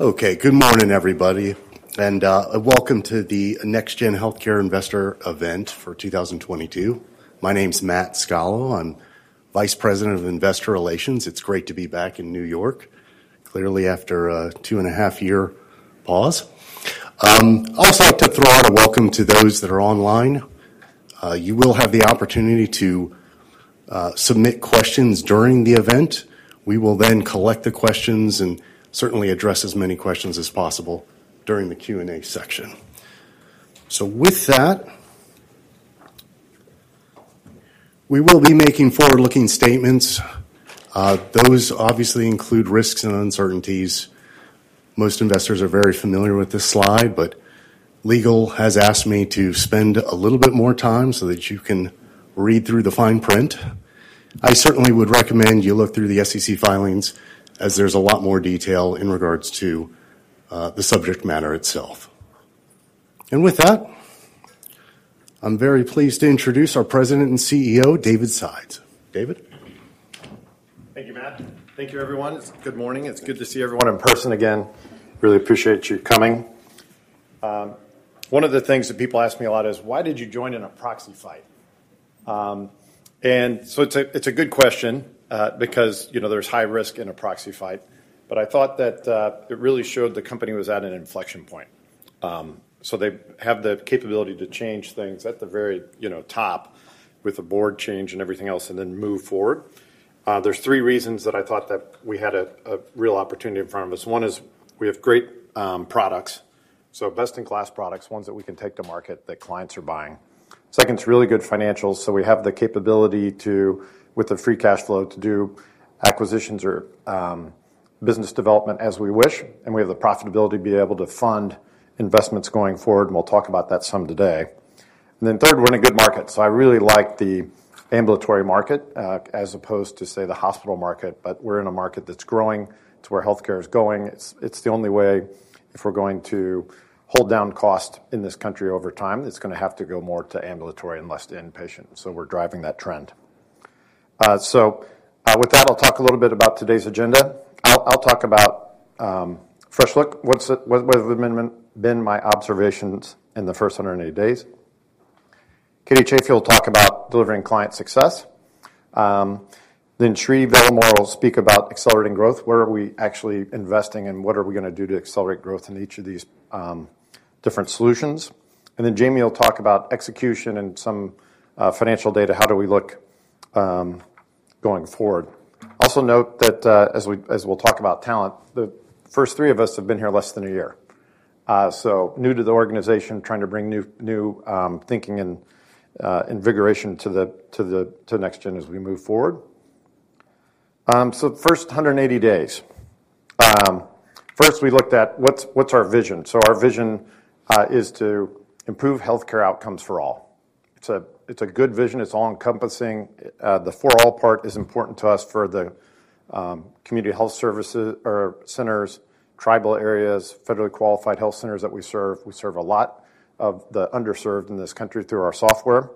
Okay. Good morning, everybody, and welcome to the NextGen Healthcare Investor event for 2022. My name's Matthew Scalo. I'm Vice President of Investor Relations. It's great to be back in New York, clearly after a two and a half year pause. I'd also like to throw out a welcome to those that are online. You will have the opportunity to submit questions during the event. We will then collect the questions and certainly address as many questions as possible during the Q&A section. With that, we will be making forward-looking statements. Those obviously include risks and uncertainties. Most investors are very familiar with this slide, but legal has asked me to spend a little bit more time so that you can read through the fine print. I certainly would recommend you look through the SEC filings as there's a lot more detail in regards to the subject matter itself. With that, I'm very pleased to introduce our President and CEO, David Sides. David. Thank you, Matt. Thank you, everyone. Good morning. It's good to see everyone in person again. Really appreciate you coming. One of the things that people ask me a lot is, "Why did you join in a proxy fight?" It's a good question, because there's high risk in a proxy fight. I thought that it really showed the company was at an inflection point. They have the capability to change things at the very top with a board change and everything else, and then move forward. There's three reasons that I thought that we had a real opportunity in front of us. One is we have great products, so best-in-class products, ones that we can take to market that clients are buying. Second is really good financials, so we have the capability to, with the free cash flow, to do acquisitions or, business development as we wish, and we have the profitability to be able to fund investments going forward. We'll talk about that some today. Then third, we're in a good market. I really like the ambulatory market, as opposed to, say, the hospital market. We're in a market that's growing to where healthcare is going. It's the only way if we're going to hold down cost in this country over time. It's gonna have to go more to ambulatory and less to inpatient, so we're driving that trend. With that, I'll talk a little bit about today's agenda. I'll talk about fresh look. What have been my observations in the first 180 days? Katie Chaffee will talk about delivering client success. Sri Velamoor will speak about accelerating growth, where are we actually investing, and what are we gonna do to accelerate growth in each of these different solutions. Jamie will talk about execution and some financial data, how do we look going forward. Also note that as we'll talk about talent, the first three of us have been here less than a year. New to the organization, trying to bring new thinking and invigoration to NextGen as we move forward. The first 180 days. First we looked at what's our vision? Our vision is to improve healthcare outcomes for all. It's a good vision. It's all-encompassing. The for all part is important to us for the community health services or centers, tribal areas, federally qualified health centers that we serve. We serve a lot of the underserved in this country through our software,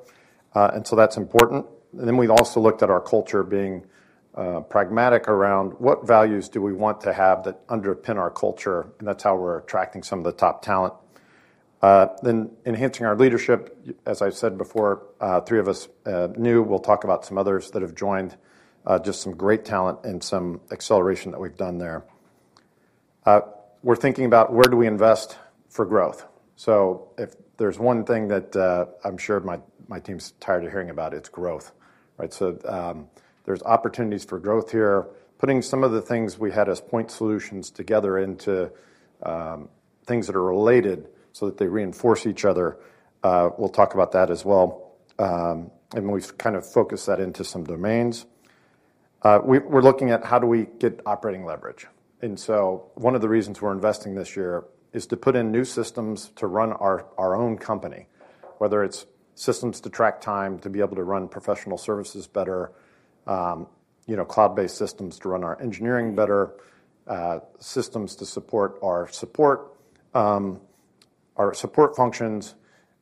and so that's important. We also looked at our culture being pragmatic around what values do we want to have that underpin our culture, and that's how we're attracting some of the top talent. Enhancing our leadership. As I said before, three of us new. We'll talk about some others that have joined, just some great talent and some acceleration that we've done there. We're thinking about where do we invest for growth. If there's one thing that I'm sure my team's tired of hearing about, it's growth, right? There's opportunities for growth here. Putting some of the things we had as point solutions together into things that are related so that they reinforce each other. We'll talk about that as well. We've kind of focused that into some domains. We're looking at how do we get operating leverage. One of the reasons we're investing this year is to put in new systems to run our own company, whether it's systems to track time to be able to run professional services better, cloud-based systems to run our engineering better, systems to support our support functions.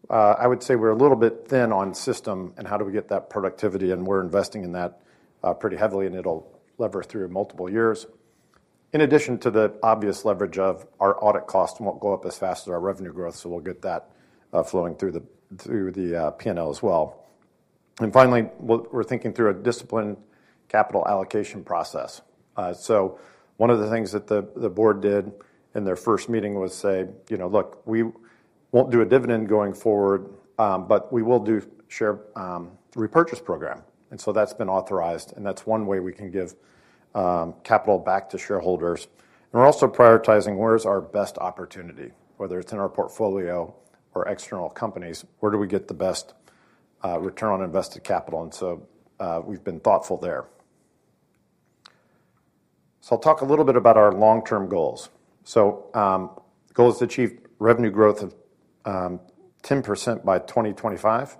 I would say we're a little bit thin on system and how do we get that productivity, and we're investing in that pretty heavily, and it'll lever through multiple years. In addition to the obvious leverage of our audit cost won't go up as fast as our revenue growth, so we'll get that flowing through the P&L as well. Finally, we're thinking through a disciplined capital allocation process. One of the things that the board did in their first meeting was say, "Look, we won't do a dividend going forward, but we will do share repurchase program." That's been authorized, and that's one way we can give capital back to shareholders. We're also prioritizing where is our best opportunity, whether it's in our portfolio or external companies, where do we get the best return on invested capital? We've been thoughtful there. I'll talk a little bit about our long-term goals. Goal is to achieve revenue growth of 10% by 2025,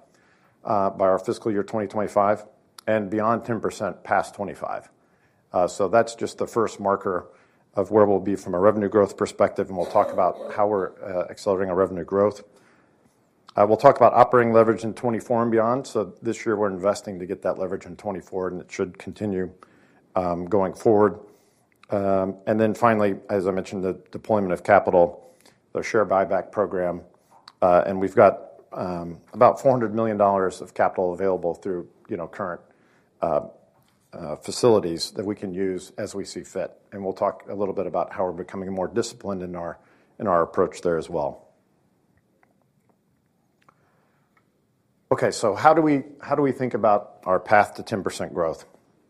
by our fiscal year 2025, and beyond 10% past 2025. That's just the first marker of where we'll be from a revenue growth perspective, and we'll talk about how we're accelerating our revenue growth. I will talk about operating leverage in 2024 and beyond. This year we're investing to get that leverage in 2024, and it should continue going forward. And then finally, as I mentioned, the deployment of capital, the share buyback program, and we've got about $400 million of capital available through current facilities that we can use as we see fit. We'll talk a little bit about how we're becoming more disciplined in our approach there as well. How do we think about our path to 10% growth?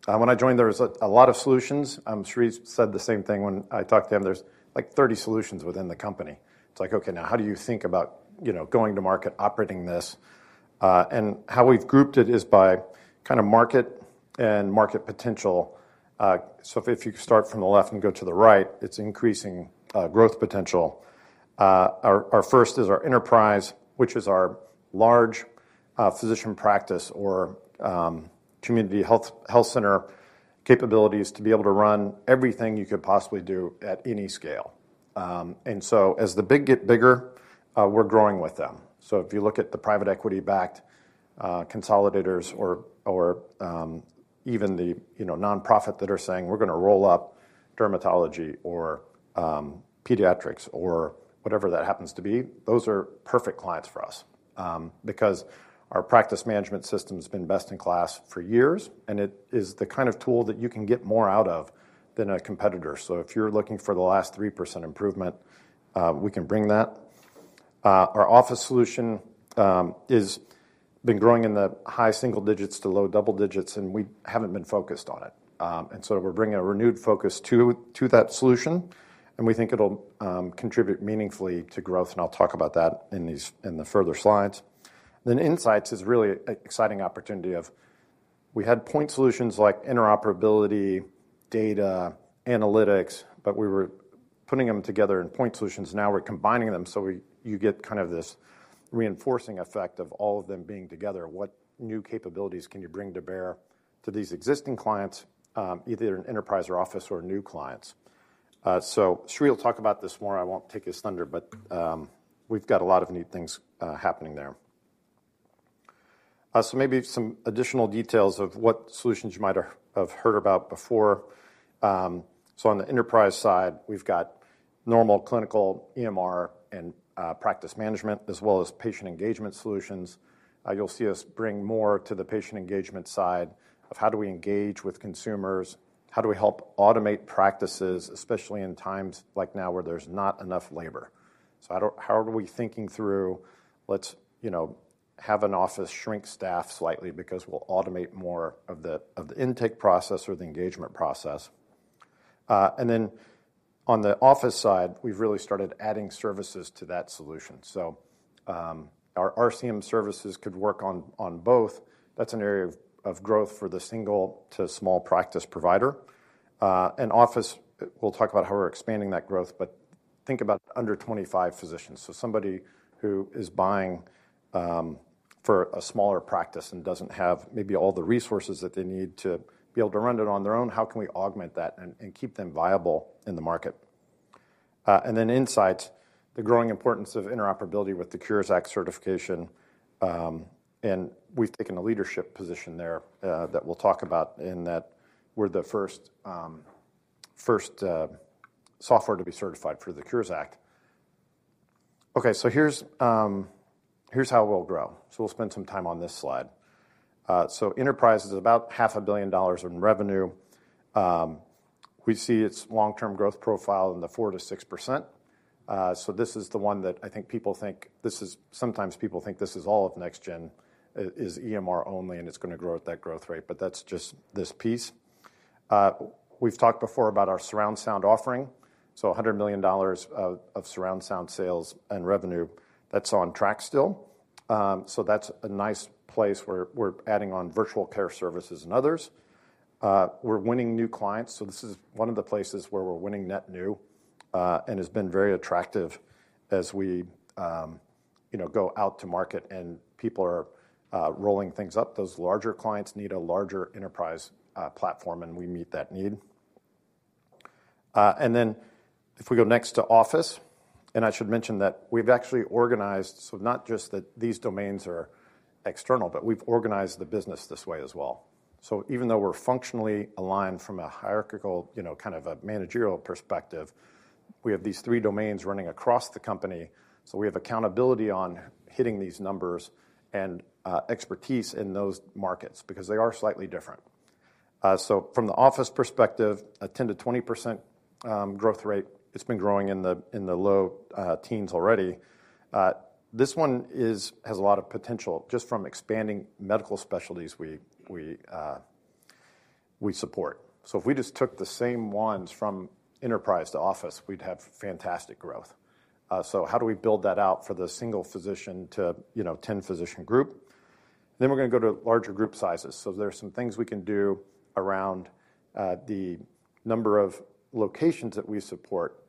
When I joined, there was a lot of solutions. Sri said the same thing when I talked to him. There's like 30 solutions within the company. It's like, okay, now how do you think about going to market operating this? How we've grouped it is by kind of market and market potential. If you start from the left and go to the right, it's increasing growth potential. Our first is our Enterprise, which is our large physician practice or community health center capabilities to be able to run everything you could possibly do at any scale. As the big get bigger, we're growing with them. If you look at the private equity-backed consolidators or even the nonprofits that are saying, "We're gonna roll up dermatology or pediatrics or whatever that happens to be," those are perfect clients for us, because our practice management system has been best by KLAS for years, and it is the kind of tool that you can get more out of than a competitor. If you're looking for the last 3% improvement, we can bring that. Our Office solution has been growing in the high single digits to low double digits, and we haven't been focused on it. We're bringing a renewed focus to that solution, and we think it'll contribute meaningfully to growth, and I'll talk about that in the further slides. Insights is really exciting opportunity. We had point solutions like interoperability, data, analytics, but we were putting them together in point solutions. Now we're combining them, so you get kind of this reinforcing effect of all of them being together. What new capabilities can you bring to bear to these existing clients, either in NextGen Enterprise or NextGen Office or new clients? So Sri will talk about this more. I won't take his thunder, but we've got a lot of new things happening there. So maybe some additional details of what solutions you might have heard about before. On the NextGen Enterprise side, we've got normal clinical EMR and practice management as well as patient engagement solutions. You'll see us bring more to the patient engagement side of how do we engage with consumers? How do we help automate practices, especially in times like now where there's not enough labor? How are we thinking through, let's have an Office shrink staff slightly because we'll automate more of the intake process or the engagement process. On the Office side, we've really started adding services to that solution. Our RCM services could work on both. That's an area of growth for the single to small practice provider. Office, we'll talk about how we're expanding that growth, but think about under 25 physicians. Somebody who is buying for a smaller practice and doesn't have maybe all the resources that they need to be able to run it on their own, how can we augment that and keep them viable in the market? Insights, the growing importance of interoperability with the Cures Act certification, and we've taken a leadership position there, that we'll talk about in that we're the first software to be certified for the Cures Act. Okay, here's how we'll grow. We'll spend some time on this slide. Enterprise is about $500 million in revenue. We see its long-term growth profile in the 4%-6%. This is the one that I think people think this is. Sometimes people think this is all of NextGen is EMR only, and it's gonna grow at that growth rate, but that's just this piece. We've talked before about our surround sound offering. $100 million of surround sound sales and revenue, that's on track still. That's a nice place where we're adding on virtual care services and others. We're winning new clients. This is one of the places where we're winning net new, and has been very attractive as we go out to market and people are rolling things up. Those larger clients need a larger Enterprise platform, and we meet that need. If we go next to Office, and I should mention that we've actually organized, so not just that these domains are external, but we've organized the business this way as well. Even though we're functionally aligned from a hierarchical, kind of a managerial perspective, we have these three domains running across the company, so we have accountability on hitting these numbers and expertise in those markets because they are slightly different. From the Office perspective, a 10%-20% growth rate. It's been growing in the low teens already. This one has a lot of potential just from expanding medical specialties we support. If we just took the same ones from Enterprise to Office, we'd have fantastic growth. How do we build that out for the single physician to 10-physician group? Then we're gonna go to larger group sizes. There are some things we can do around the number of locations that we support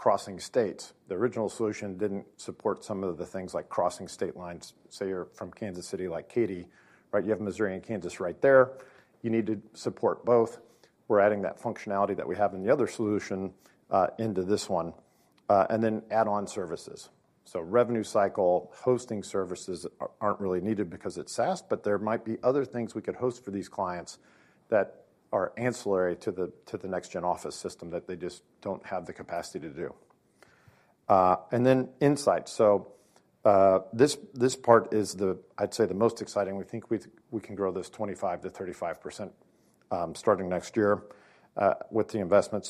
crossing states. The original solution didn't support some of the things like crossing state lines. Say you're from Kansas City like Katie, right? You have Missouri and Kansas right there. You need to support both. We're adding that functionality that we have in the other solution into this one, and then add-on services. Revenue cycle, hosting services aren't really needed because it's SaaS, but there might be other things we could host for these clients that are ancillary to the NextGen Office system that they just don't have the capacity to do. And then Insight. This part is, I'd say, the most exciting. We think we can grow this 25%-35%, starting next year, with the investment.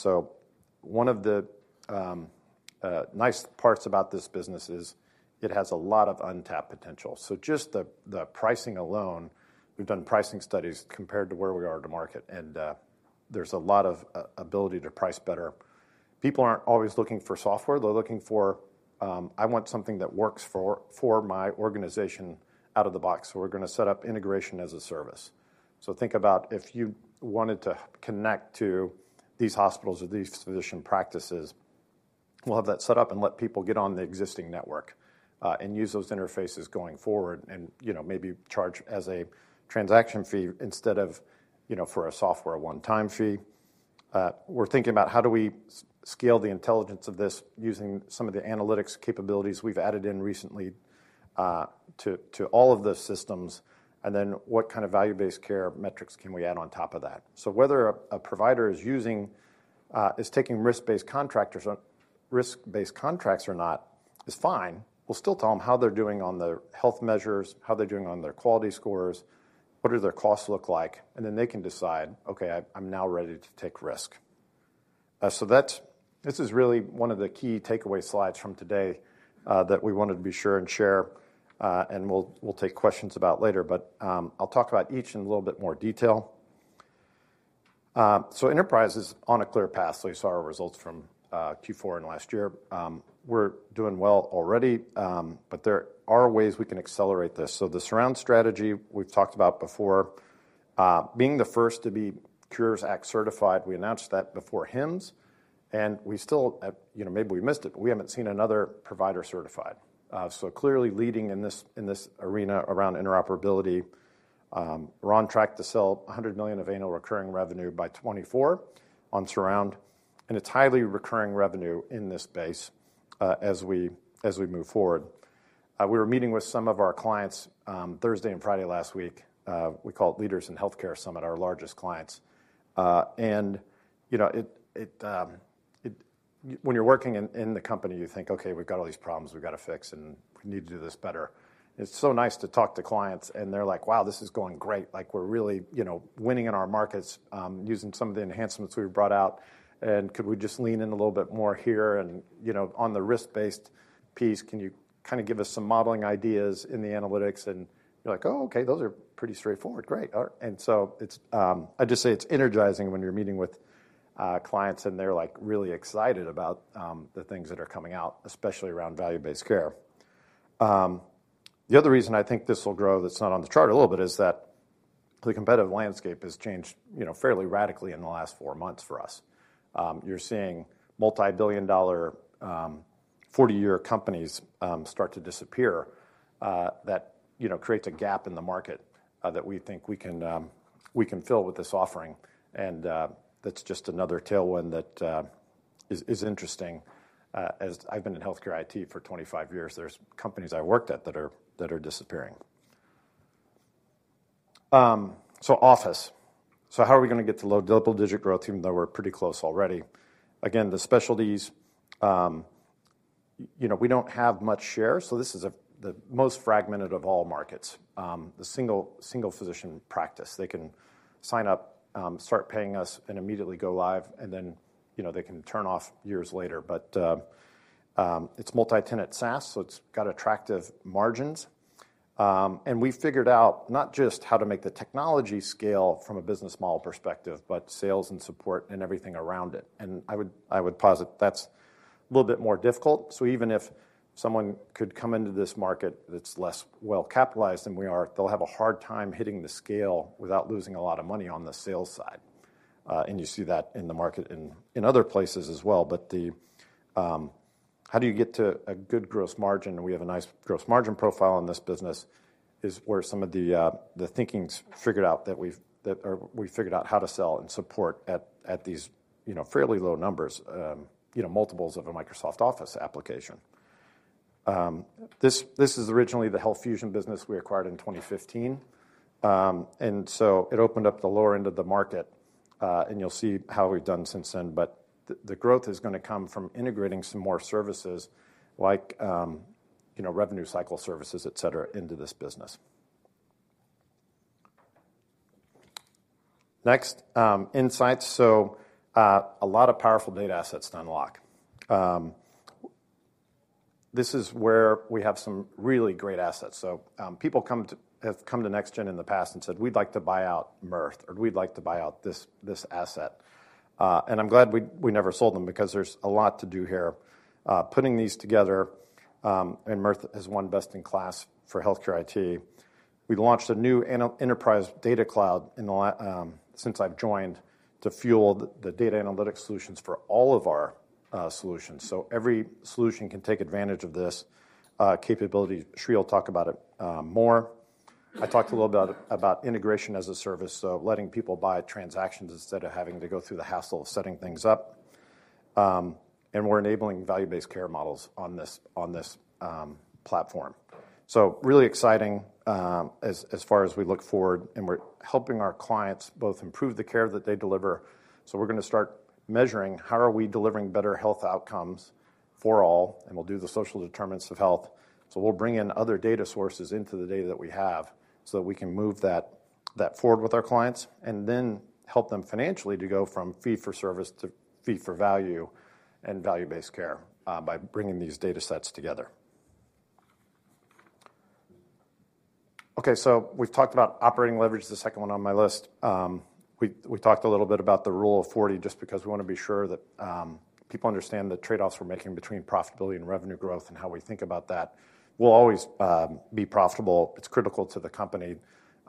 One of the nice parts about this business is, it has a lot of untapped potential. Just the pricing alone, we've done pricing studies compared to where we are to market, and there's a lot of ability to price better. People aren't always looking for software. They're looking for I want something that works for my organization out of the box. We're gonna set up integration as a service. Think about if you wanted to connect to these hospitals or these physician practices. We'll have that set up and let people get on the existing network, and use those interfaces going forward and maybe charge as a transaction fee instead of a software one-time fee. We're thinking about how do we scale the intelligence of this using some of the analytics capabilities we've added in recently to all of the systems, and then what kind of value-based care metrics can we add on top of that. Whether a provider is taking risk-based contracts or not is fine. We'll still tell them how they're doing on the health measures, how they're doing on their quality scores, what do their costs look like, and then they can decide, "Okay, I'm now ready to take risk." This is really one of the key takeaway slides from today that we wanted to be sure and share, and we'll take questions about later. I'll talk about each in a little bit more detail. Enterprise is on a clear path. You saw our results from Q4 and last year. We're doing well already, but there are ways we can accelerate this. The Surround strategy we've talked about before. Being the first to be Cures Act certified, we announced that before HIMSS, and we still have. Maybe we missed it, but we haven't seen another provider certified. So clearly leading in this arena around interoperability. We're on track to sell $100 million of annual recurring revenue by 2024 on Surround, and it's highly recurring revenue in this base, as we move forward. We were meeting with some of our clients, Thursday and Friday last week. We call it Leaders in Healthcare Summit, our largest clients. When you're working in the company, you think, "Okay, we've got all these problems we've got to fix, and we need to do this better." It's so nice to talk to clients, and they're like, "Wow, this is going great. Like, we're really winning in our markets, using some of the enhancements we've brought out, and could we just lean in a little bit more here? And on the risk-based piece, can you kinda give us some modeling ideas in the analytics?" You're like, "Oh, okay, those are pretty straightforward. Great." It's energizing when you're meeting with clients, and they're, like, really excited about the things that are coming out, especially around value-based care. The other reason I think this will grow that's not on the chart a little bit is that the competitive landscape has changed fairly radically in the last four months for us. You're seeing multi-billion dollar, 40-year companies start to disappear, that creates a gap in the market, that we think we can fill with this offering, and that's just another tailwind that is interesting. As I've been in healthcare IT for 25 years, there's companies I worked at that are disappearing. NextGen Office. How are we gonna get to low double-digit growth even though we're pretty close already? Again, the specialties, we don't have much share, so this is the most fragmented of all markets, the single physician practice. They can sign up, start paying us and immediately go live, and then they can turn off years later. It's multi-tenant SaaS, so it's got attractive margins. We figured out not just how to make the technology scale from a business model perspective, but sales and support and everything around it, and I would posit that's a little bit more difficult. So even if someone could come into this market that's less well capitalized than we are, they'll have a hard time hitting the scale without losing a lot of money on the sales side, and you see that in the market in other places as well. But how do you get to a good gross margin, and we have a nice gross margin profile in this business, is where some of the thinking's figured out that or we figured out how to sell and support at these fairly low numbers multiples of a Microsoft Office application. This is originally the HealthFusion business we acquired in 2015. It opened up the lower end of the market, and you'll see how we've done since then. But the growth is gonna come from integrating some more services like revenue cycle services, et cetera, into this business. Next, Insights. So, a lot of powerful data assets to unlock. This is where we have some really great assets. So, people have come to NextGen in the past and said, "We'd like to buy out Mirth," or, "We'd like to buy out this asset." I'm glad we never sold them because there's a lot to do here. Putting these together, Mirth is one best in class for healthcare IT. We've launched a new Enterprise data cloud since I've joined to fuel the data analytics solutions for all of our solutions. Every solution can take advantage of this capability. Sri will talk about it more. I talked a little about integration as a service, letting people buy transactions instead of having to go through the hassle of setting things up. We're enabling value-based care models on this platform. Really exciting as far as we look forward. We're helping our clients improve the care that they deliver. We're gonna start measuring how we are delivering better health outcomes for all, and we'll do the social determinants of health. We'll bring in other data sources into the data that we have, so we can move that forward with our clients, and then help them financially to go from fee for service to fee for value and value-based care by bringing these data sets together. Okay, we've talked about operating leverage, the second one on my list. We talked a little bit about the rule of 40 just because we wanna be sure that people understand the trade-offs we're making between profitability and revenue growth and how we think about that. We'll always be profitable, it's critical to the company,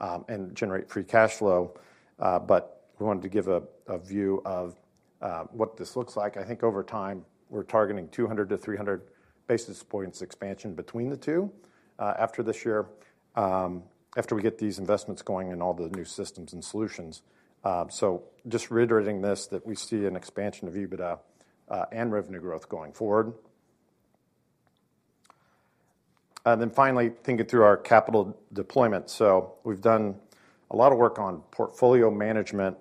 and generate free cash flow, but we wanted to give a view of what this looks like. I think over time, we're targeting 200-300 basis points expansion between the two, after this year, after we get these investments going and all the new systems and solutions. Just reiterating this, that we see an expansion of EBITDA and revenue growth going forward. Then finally, thinking through our capital deployment. We've done a lot of work on portfolio management.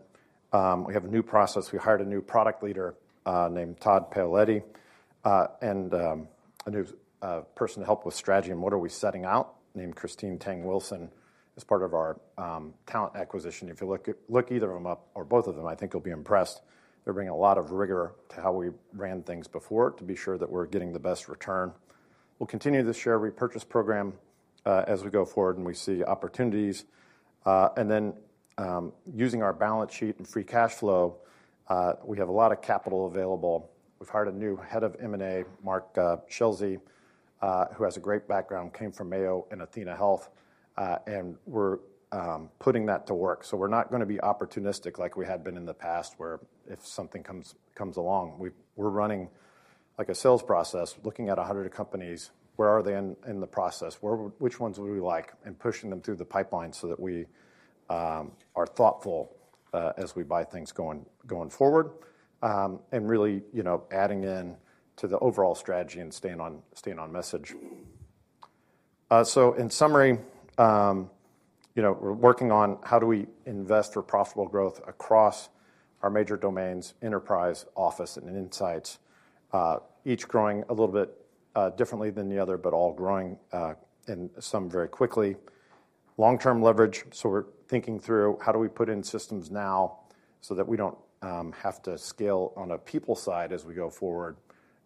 We have a new process. We hired a new product leader named Todd Paoletti, and a new person to help with strategy and what are we setting out, named Christine Tang Wilson, as part of our talent acquisition. If you look either of them up or both of them, I think you'll be impressed. They're bringing a lot of rigor to how we ran things before to be sure that we're getting the best return. We'll continue the share repurchase program, as we go forward, and we see opportunities. Using our balance sheet and free cash flow, we have a lot of capital available. We've hired a new head of M&A, Mark Schliesse, who has a great background, came from Mayo and athenahealth, and we're putting that to work. We're not gonna be opportunistic like we had been in the past, where if something comes along. We're running like a sales process, looking at 100 companies, where are they in the process, which ones would we like, and pushing them through the pipeline so that we are thoughtful as we buy things going forward. Really adding in to the overall strategy and staying on message. In summary, we're working on how do we invest for profitable growth across our major domains, Enterprise, Office, and Insights, each growing a little bit differently than the other, but all growing, and some very quickly. Long-term leverage. We're thinking through how do we put in systems now so that we don't have to scale on a people side as we go forward,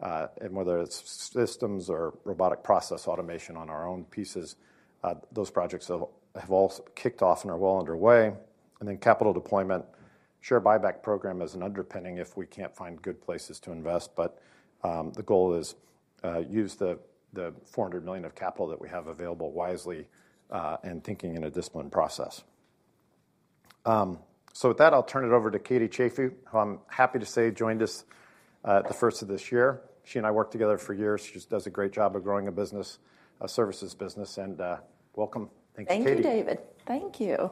and whether it's systems or robotic process automation on our own pieces, those projects have kicked off and are well underway. Capital deployment. Share buyback program is an underpinning if we can't find good places to invest. The goal is to use the $400 million of capital that we have available wisely and thinking in a disciplined process. With that, I'll turn it over to Katie Chaffee, who I'm happy to say joined us the first of this year. She and I worked together for years. She just does a great job of growing a business, a services business, and welcome. Thanks, Katie. Thank you, David. Thank you.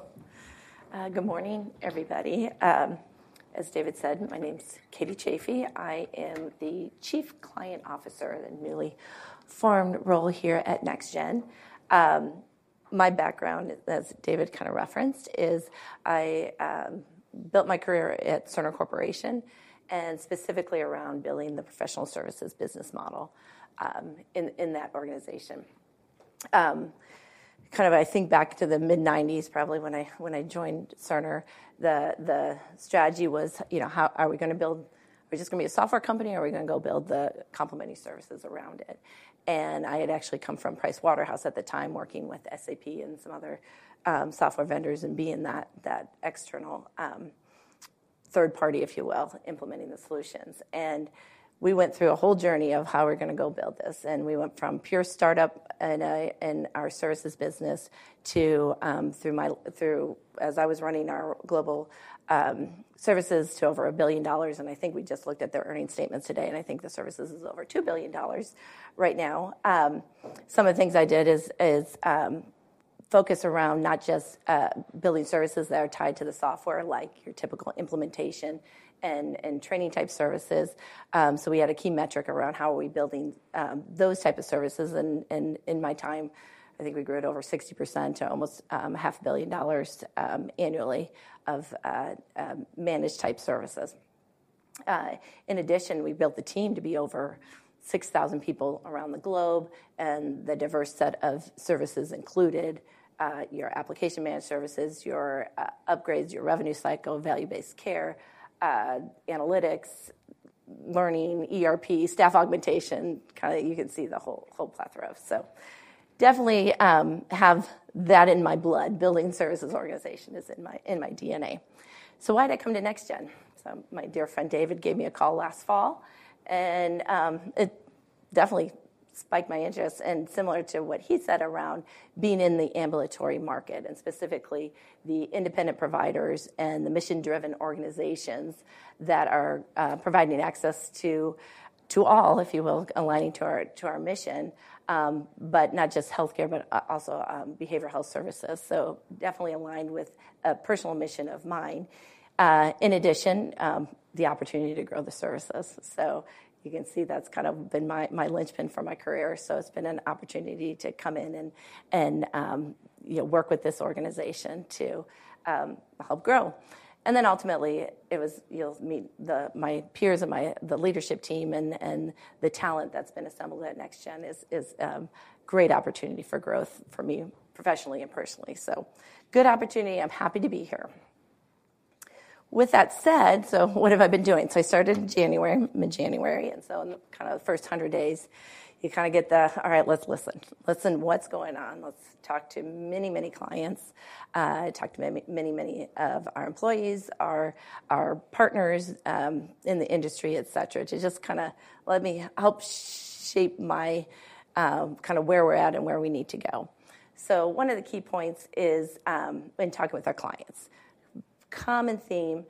Good morning, everybody. As David said, my name's Katie Chaffee. I am the Chief Client Officer in a newly formed role here at NextGen. My background, as David kind of referenced, is I built my career at Cerner Corporation and specifically around building the professional services business model in that organization. Kind of I think back to the mid-1990s, probably when I joined Cerner, the strategy was, are we just gonna be a software company, or are we gonna go build the complementary services around it. I had actually come from PricewaterhouseCoopers at the time, working with SAP and some other software vendors and being that external third party, if you will, implementing the solutions. We went through a whole journey of how we're gonna go build this, and we went from pure startup in our services business to, as I was running our global services to over $1 billion, and I think we just looked at their earnings statements today, and I think the services is over $2 billion right now. Some of the things I did is focus around not just building services that are tied to the software, like your typical implementation and training type services. We had a key metric around how are we building those type of services. In my time, I think we grew it over 60% to almost half a $1 billion annually of managed type services. In addition, we built the team to be over 6,000 people around the globe, and the diverse set of services included your application managed services, your upgrades, your revenue cycle, value-based care, analytics, learning, ERP, staff augmentation. You can see the whole plethora. Definitely have that in my blood. Building services organization is in my DNA. Why'd I come to NextGen? My dear friend David gave me a call last fall, and it definitely spiked my interest and similar to what he said around being in the ambulatory market, and specifically the independent providers and the mission-driven organizations that are providing access to all, if you will, aligning to our mission. But not just healthcare, but also behavioral health services. Definitely aligned with a personal mission of mine. In addition, the opportunity to grow the services. You can see that's kind of been my linchpin for my career. It's been an opportunity to come in and work with this organization to help grow. And then ultimately, you'll meet my peers and the leadership team and the talent that's been assembled at NextGen is great opportunity for growth for me professionally and personally. Good opportunity. I'm happy to be here. With that said, what have I been doing? I started mid-January, and so in the kind of first 100 days, you kind of get the, "All right, let's listen. Listen what's going on. Let's talk to many, many clients. Talked to many, many of our employees, our partners, in the industry, et cetera, to just kinda let me help shape my, kinda where we're at and where we need to go. One of the key points is, in talking with our clients, common theme,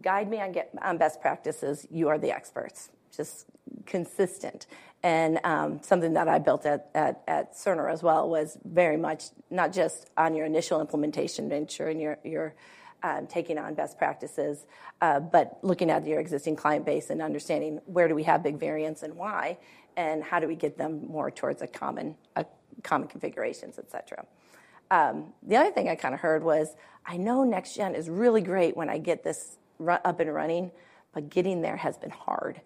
"Guide me on best practices. You are the experts." Just consistent. Something that I built at Cerner as well was very much not just on your initial implementation, ensuring you're taking on best practices, but looking at your existing client base and understanding where do we have big variance and why, and how do we get them more towards a common configurations, et cetera. The other thing I kinda heard was, "I know NextGen is really great when I get this up and running, but getting there has been hard."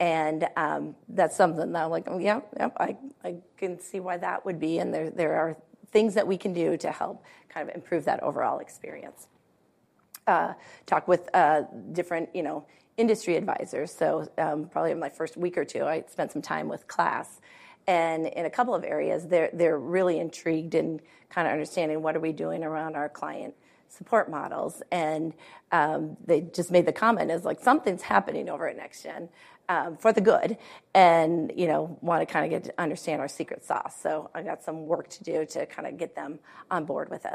That's something that I'm like, "Oh, yeah. Yep, I can see why that would be, and there are things that we can do to help kind of improve that overall experience." Talk with different industry advisors. Probably in my first week or two, I spent some time with KLAS, and in a couple of areas they're really intrigued in kinda understanding what are we doing around our client support models. They just made the comment as like, "Something's happening over at NextGen, for the good," and, wanna kinda get to understand our secret sauce. I got some work to do to kinda get them on board with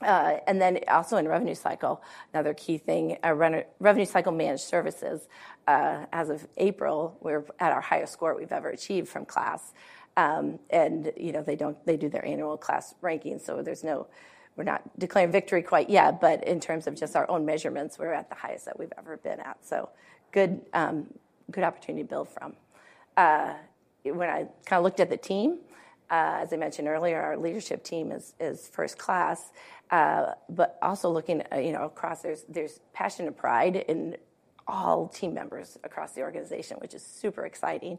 this. Then also in revenue cycle, another key thing, revenue cycle managed services, as of April, we're at our highest score we've ever achieved from KLAS. They do their annual KLAS ranking, so we're not declaring victory quite yet, but in terms of just our own measurements, we're at the highest that we've ever been at. Good opportunity to build from. When I kinda looked at the team, as I mentioned earlier, our leadership team is first class, but also looking across, there's passion and pride in all team members across the organization, which is super exciting.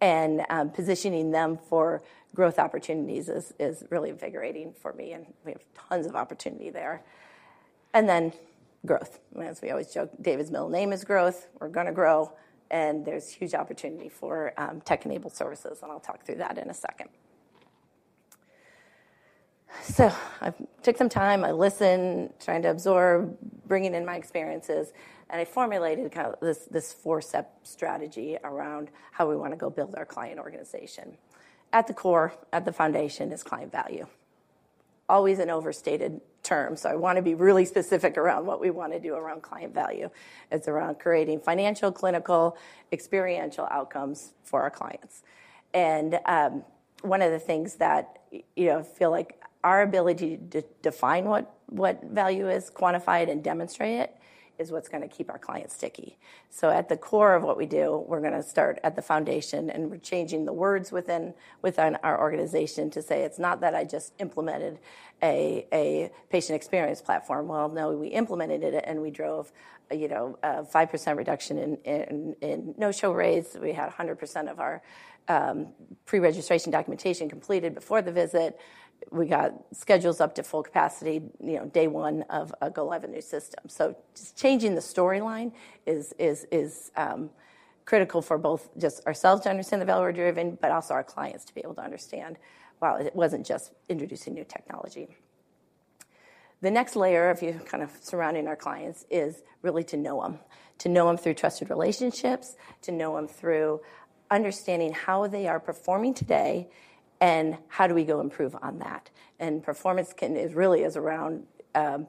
Positioning them for growth opportunities is really invigorating for me, and we have tons of opportunity there. Then growth. As we always joke, David's middle name is growth. We're gonna grow, and there's huge opportunity for tech-enabled services, and I'll talk through that in a second. I've took some time. I listened, trying to absorb, bringing in my experiences, and I formulated kind of this four-step strategy around how we wanna go build our client organization. At the core, at the foundation is client value. Always an overstated term, so I wanna be really specific around what we wanna do around client value. It's around creating financial, clinical, experiential outcomes for our clients. One of the things that feel like our ability to define what value is, quantify it, and demonstrate it, is what's gonna keep our clients sticky. At the core of what we do, we're gonna start at the foundation, and we're changing the words within our organization to say, "It's not that I just implemented a patient experience platform." Well, no, we implemented it and we drove a 5% reduction in no-show rates. We had 100% of our pre-registration documentation completed before the visit. We got schedules up to full capacity, a day one of a go-live a new system. Just changing the storyline is critical for both just ourselves to understand the value we're driving, but also our clients to be able to understand, well, it wasn't just introducing new technology. The next layer kind of surrounding our clients is really to know them. To know them through trusted relationships, to know them through understanding how they are performing today, and how do we go improve on that. Performance is really around how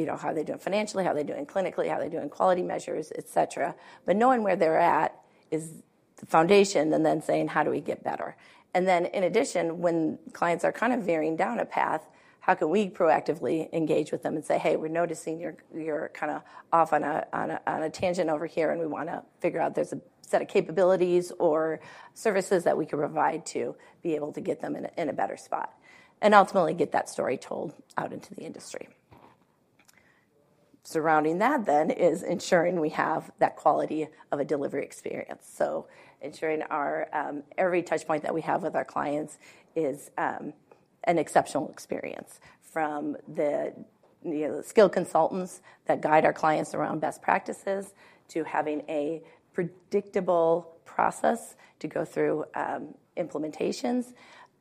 are they doing financially, how are they doing clinically, how are they doing quality measures, et cetera. Knowing where they're at is the foundation and then saying, "How do we get better?" Then in addition, when clients are kind of veering down a path, how can we proactively engage with them and say, "Hey, we're noticing you're kinda off on a tangent over here, and we wanna figure out there's a set of capabilities or services that we can provide to be able to get them in a better spot." Ultimately get that story told out into the industry. Surrounding that then is ensuring we have that quality of a delivery experience. Ensuring our every touch point that we have with our clients is an exceptional experience, from the skilled consultants that guide our clients around best practices to having a predictable process to go through implementations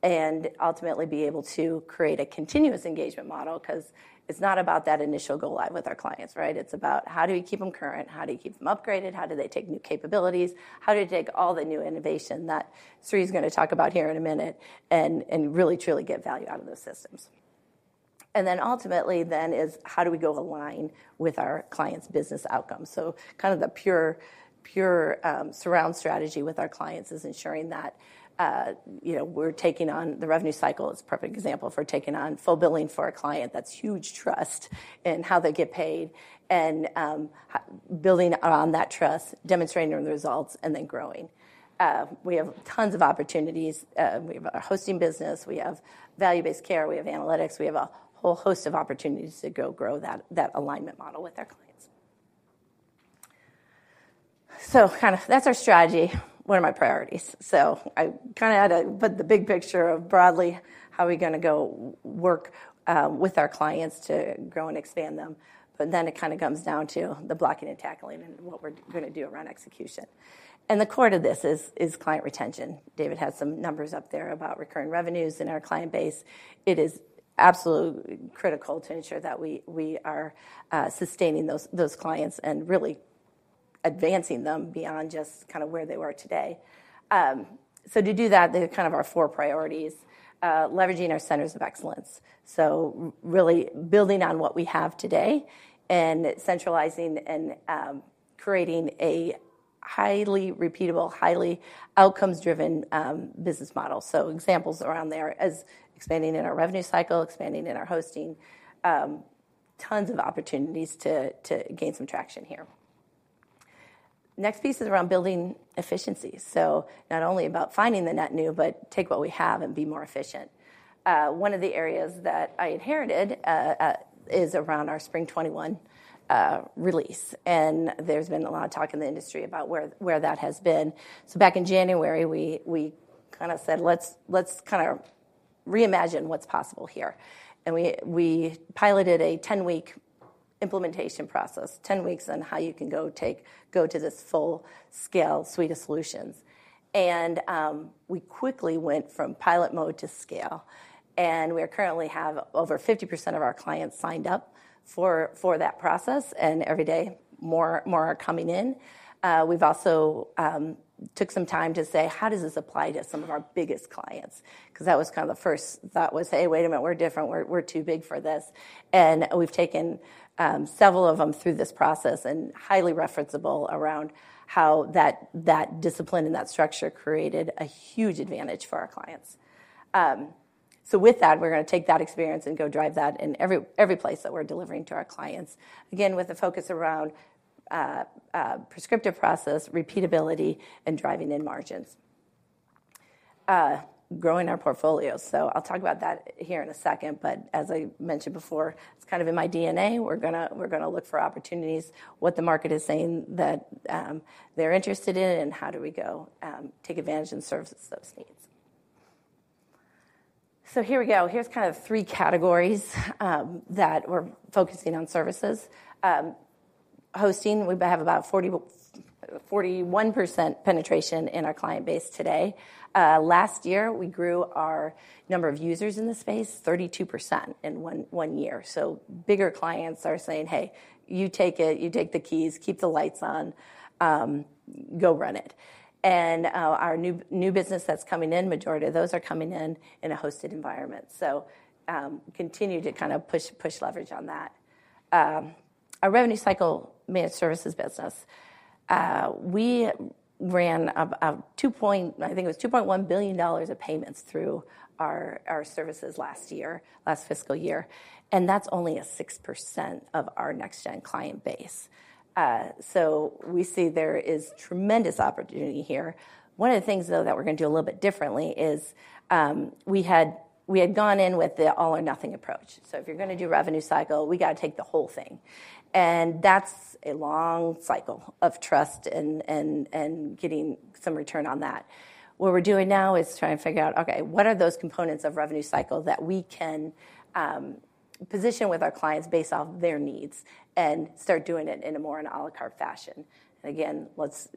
and ultimately be able to create a continuous engagement model, 'cause it's not about that initial go live with our clients, right? It's about how do we keep them current? How do you keep them upgraded? How do they take new capabilities? How do they take all the new innovation that Sri is gonna talk about here in a minute and really truly get value out of those systems? Then ultimately then is how do we go align with our clients' business outcomes? Kind of the pure surround strategy with our clients is ensuring that, you know, we're taking on the revenue cycle is a perfect example for taking on full billing for our client. That's huge trust in how they get paid and building around that trust, demonstrating on the results, and then growing. We have tons of opportunities. We have our hosting business, we have value-based care, we have analytics, we have a whole host of opportunities to go grow that alignment model with our clients. Kinda that's our strategy. What are my priorities? I kinda had to put the big picture of broadly how we gonna go work with our clients to grow and expand them. Then it kinda comes down to the blocking and tackling and what we're gonna do around execution. The core to this is client retention. David has some numbers up there about recurring revenues in our client base. It is absolutely critical to ensure that we are sustaining those clients and really advancing them beyond just kinda where they are today. To do that, they're kind of our four priorities, leveraging our centers of excellence. Really building on what we have today and centralizing and creating a highly repeatable, highly outcomes-driven business model. Examples around there as expanding in our revenue cycle, expanding in our hosting, tons of opportunities to gain some traction here. Next piece is around building efficiency. Not only about finding the net new, but take what we have and be more efficient. One of the areas that I inherited is around our Spring '21 release, and there's been a lot of talk in the industry about where that has been. Back in January, we kinda said let's kinda reimagine what's possible here. We piloted a 10-week implementation process. Ten weeks on how you can go to this full-scale suite of solutions. We quickly went from pilot mode to scale, and we currently have over 50% of our clients signed up for that process, and every day more are coming in. We've also took some time to say, "How does this apply to some of our biggest clients?" 'Cause that was kinda the first thought, "Hey, wait a minute, we're different. We're too big for this." We've taken several of them through this process and highly referenceable around how that discipline and that structure created a huge advantage for our clients. With that, we're gonna take that experience and go drive that in every place that we're delivering to our clients, again, with a focus around prescriptive process, repeatability, and driving in margins. Growing our portfolio. I'll talk about that here in a second, but as I mentioned before, it's kind of in my DNA. We're gonna look for opportunities, what the market is saying that they're interested in, and how do we go take advantage and service those needs. Here we go. Here's kind of three categories that we're focusing on services. Hosting, we have about 41% penetration in our client base today. Last year, we grew our number of users in the space 32% in one year. Bigger clients are saying, "Hey, you take it. You take the keys, keep the lights on, go run it." Our new business that's coming in, majority of those are coming in in a hosted environment. Continue to kinda push leverage on that. Our revenue cycle management services business. We ran $2.1 billion of payments through our services last year, last fiscal year. That's only 6% of our NextGen client base. We see there is tremendous opportunity here. One of the things, though, that we're gonna do a little bit differently is, we had gone in with the all or nothing approach. If you're gonna do revenue cycle, we gotta take the whole thing. That's a long cycle of trust and getting some return on that. What we're doing now is trying to figure out, okay, what are those components of revenue cycle that we can position with our clients based off their needs and start doing it in a more à la carte fashion. Again, let's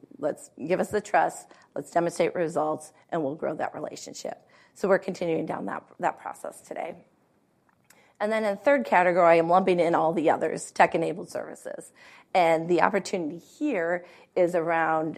give us the trust, let's demonstrate results, and we'll grow that relationship. We're continuing down that process today. Then a third category, I'm lumping in all the others, tech-enabled services. The opportunity here is around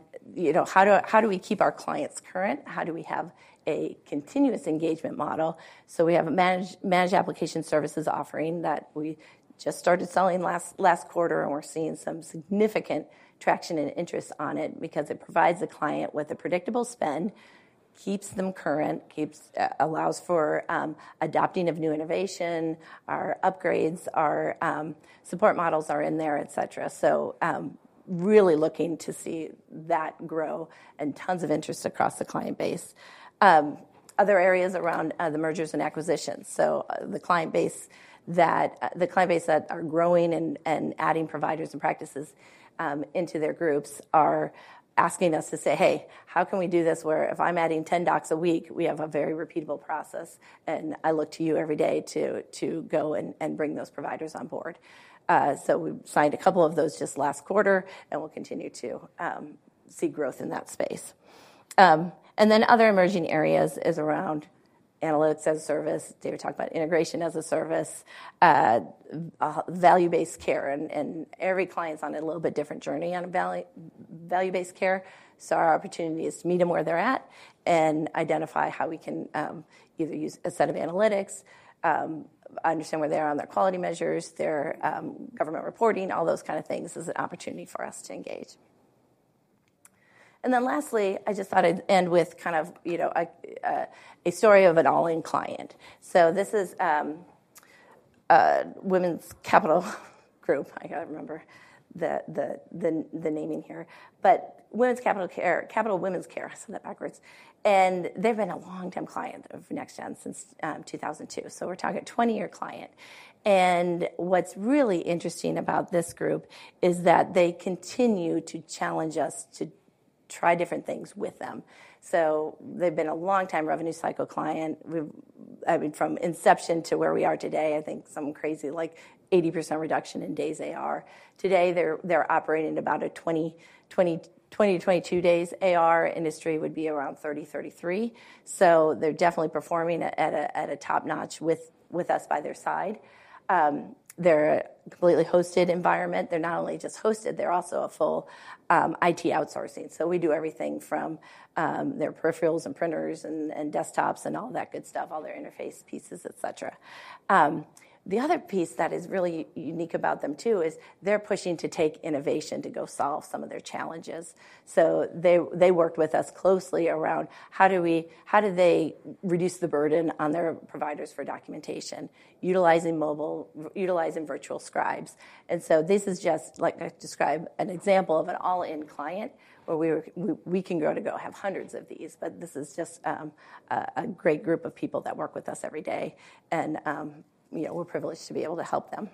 how do we keep our clients current? How do we have a continuous engagement model? We have a managed application services offering that we just started selling last quarter, and we're seeing some significant traction and interest on it because it provides the client with a predictable spend, keeps them current, allows for adopting of new innovation. Our upgrades, our support models are in there, etc. Really looking to see that grow and tons of interest across the client base. Other areas around the mergers and acquisitions. The client base that are growing and adding providers and practices into their groups are asking us to say, "Hey, how can we do this where if I'm adding 10 docs a week, we have a very repeatable process, and I look to you every day to go and bring those providers on board." We signed a couple of those just last quarter, and we'll continue to see growth in that space. Other emerging areas is around analytics as a service. David talked about integration as a service. Value-based care and every client's on a little bit different journey on a value-based care. Our opportunity is to meet them where they're at and identify how we can either use a set of analytics, understand where they are on their quality measures, their government reporting, all those kind of things as an opportunity for us to engage. Then lastly, I just thought I'd end with kind of a story of an all-in client. This is Capital Women's Care. I gotta remember the naming here. But Capital Women's Care. I said that backwards. They've been a long-time client of NextGen since 2002. We're talking a 20-year client. What's really interesting about this group is that they continue to challenge us to try different things with them. They've been a long time revenue cycle client. I mean, from inception to where we are today, I think some crazy like 80% reduction in days AR. Today, they're operating at about 20-22 days. AR industry would be around 30-33. They're definitely performing at a top-notch with us by their side. They're a completely hosted environment. They're not only just hosted, they're also a full IT outsourcing. We do everything from their peripherals and printers and desktops and all that good stuff, all their interface pieces, et cetera. The other piece that is really unique about them too is they're pushing to take innovation to go solve some of their challenges. They worked with us closely around how do they reduce the burden on their providers for documentation, utilizing virtual scribes. This is just like I described, an example of an all-in client where we can go have hundreds of these. This is just a great group of people that work with us every day and we're privileged to be able to help them.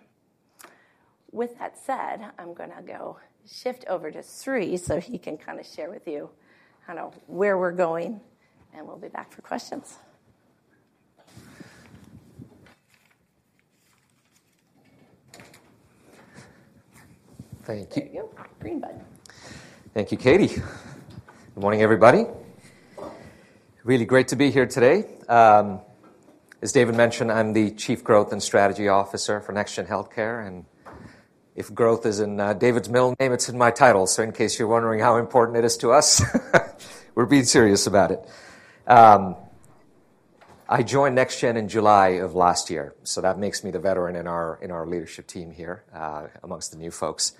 With that said, I'm gonna go shift over to Sri, so he can kinda share with you kind of where we're going, and we'll be back for questions. Thank you. There you go. Green button. Thank you, Katie. Good morning, everybody. Really great to be here today. As David mentioned, I'm the Chief Growth and Strategy Officer for NextGen Healthcare, and if growth is in David's middle name, it's in my title. In case you're wondering how important it is to us, we're being serious about it. I joined NextGen in July of last year, so that makes me the veteran in our leadership team here amongst the new folks.